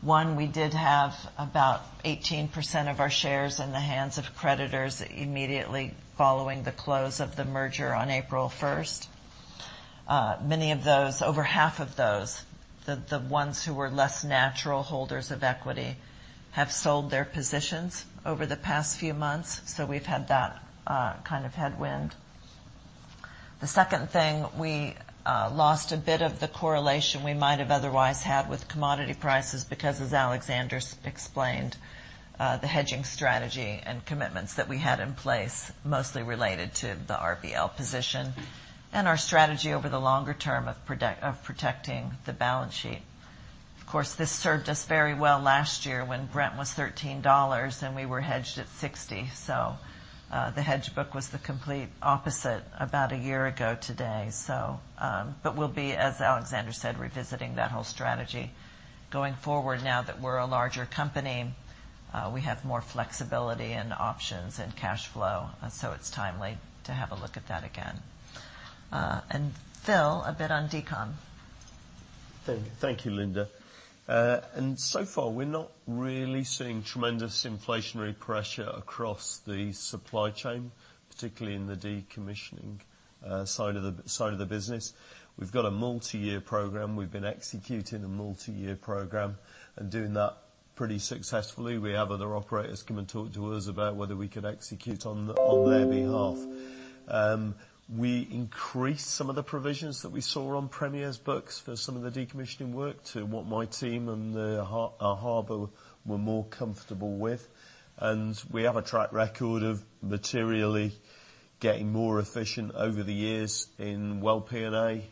[SPEAKER 2] One, we did have about 18% of our shares in the hands of creditors immediately following the close of the merger on April 1st. Over half of those, the ones who were less natural holders of equity, have sold their positions over the past few months. We've had that kind of headwind. The second thing, we lost a bit of the correlation we might have otherwise had with commodity prices because, as Alexander explained, the hedging strategy and commitments that we had in place mostly related to the RBL position and our strategy over the longer term of protecting the balance sheet. Of course, this served us very well last year when Brent was $13 and we were hedged at $60. The hedge book was the complete opposite about a year ago today. We'll be, as Alexander said, revisiting that whole strategy going forward now that we're a larger company. We have more flexibility and options and cash flow, it's timely to have a look at that again. Phil, a bit on decom.
[SPEAKER 3] Thank you, Linda. So far, we're not really seeing tremendous inflationary pressure across the supply chain, particularly in the decommissioning side of the business. We've got a multi-year program. We've been executing a multi-year program and doing that pretty successfully. We have other operators come and talk to us about whether we could execute on their behalf. We increased some of the provisions that we saw on Premier's books for some of the decommissioning work to what my team and Harbour were more comfortable with. We have a track record of materially getting more efficient over the years in well P&A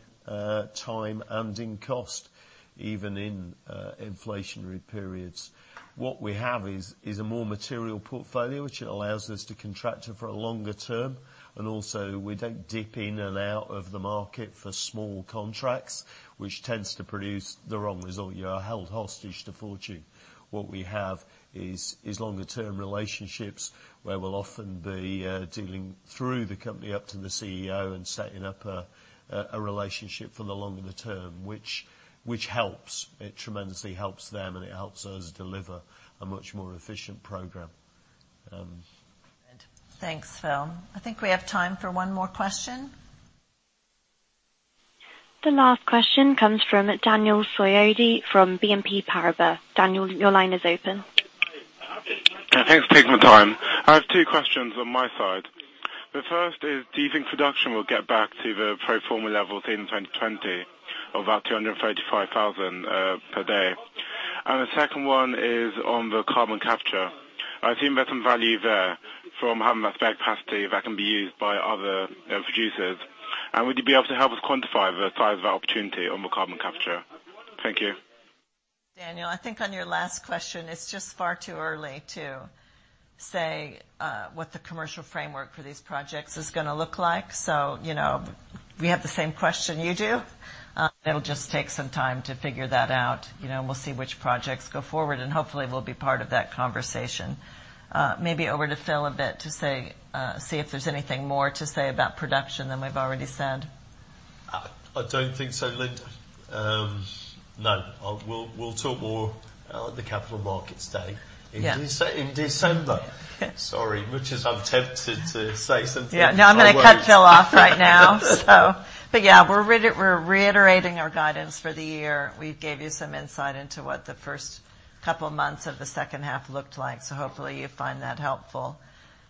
[SPEAKER 3] time and in cost, even in inflationary periods. What we have is a more material portfolio, which allows us to contract it for a longer term. Also we don't dip in and out of the market for small contracts, which tends to produce the wrong result. You are held hostage to fortune. What we have is longer term relationships, where we'll often be dealing through the company up to the CEO and setting up a relationship for the longer term, which helps. It tremendously helps them, and it helps us deliver a much more efficient program.
[SPEAKER 2] Good. Thanks, Phil. I think we have time for one more question.
[SPEAKER 1] The last question comes from Daniel Soyode from BNP Paribas. Daniel, your line is open.
[SPEAKER 11] Hi. Thanks for taking the time. I have two questions on my side. The first is, do you think production will get back to the pro forma levels in 2020 of about 235,000 per day? The second one is on the carbon capture. I think there's some value there from having that capacity that can be used by other producers. Would you be able to help us quantify the size of that opportunity on the carbon capture? Thank you.
[SPEAKER 2] Daniel, I think on your last question, it's just far too early to say what the commercial framework for these projects is going to look like. We have the same question you do. It'll just take some time to figure that out. We'll see which projects go forward, and hopefully we'll be part of that conversation. Maybe over to Phil a bit to see if there's anything more to say about production than we've already said.
[SPEAKER 3] I don't think so, Linda. No. We'll talk more at the Capital Markets Day.
[SPEAKER 2] Yeah
[SPEAKER 3] in December.
[SPEAKER 2] Yeah.
[SPEAKER 3] Sorry. Much as I'm tempted to say something.
[SPEAKER 2] Yeah. No, I'm going to cut Phil off right now. Yeah, we're reiterating our guidance for the year. We gave you some insight into what the first couple of months of the second half looked like. Hopefully you find that helpful.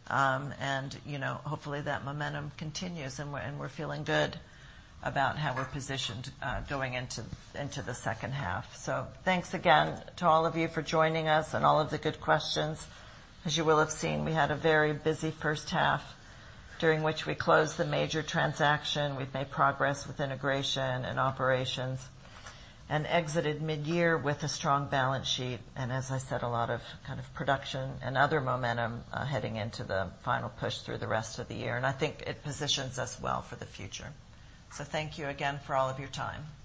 [SPEAKER 2] Hopefully that momentum continues, and we're feeling good about how we're positioned going into the second half. Thanks again to all of you for joining us and all of the good questions. As you will have seen, we had a very busy first half, during which we closed the major transaction. We've made progress with integration and operations and exited mid-year with a strong balance sheet. As I said, a lot of production and other momentum heading into the final push through the rest of the year. I think it positions us well for the future. Thank you again for all of your time.
[SPEAKER 3] Thank you.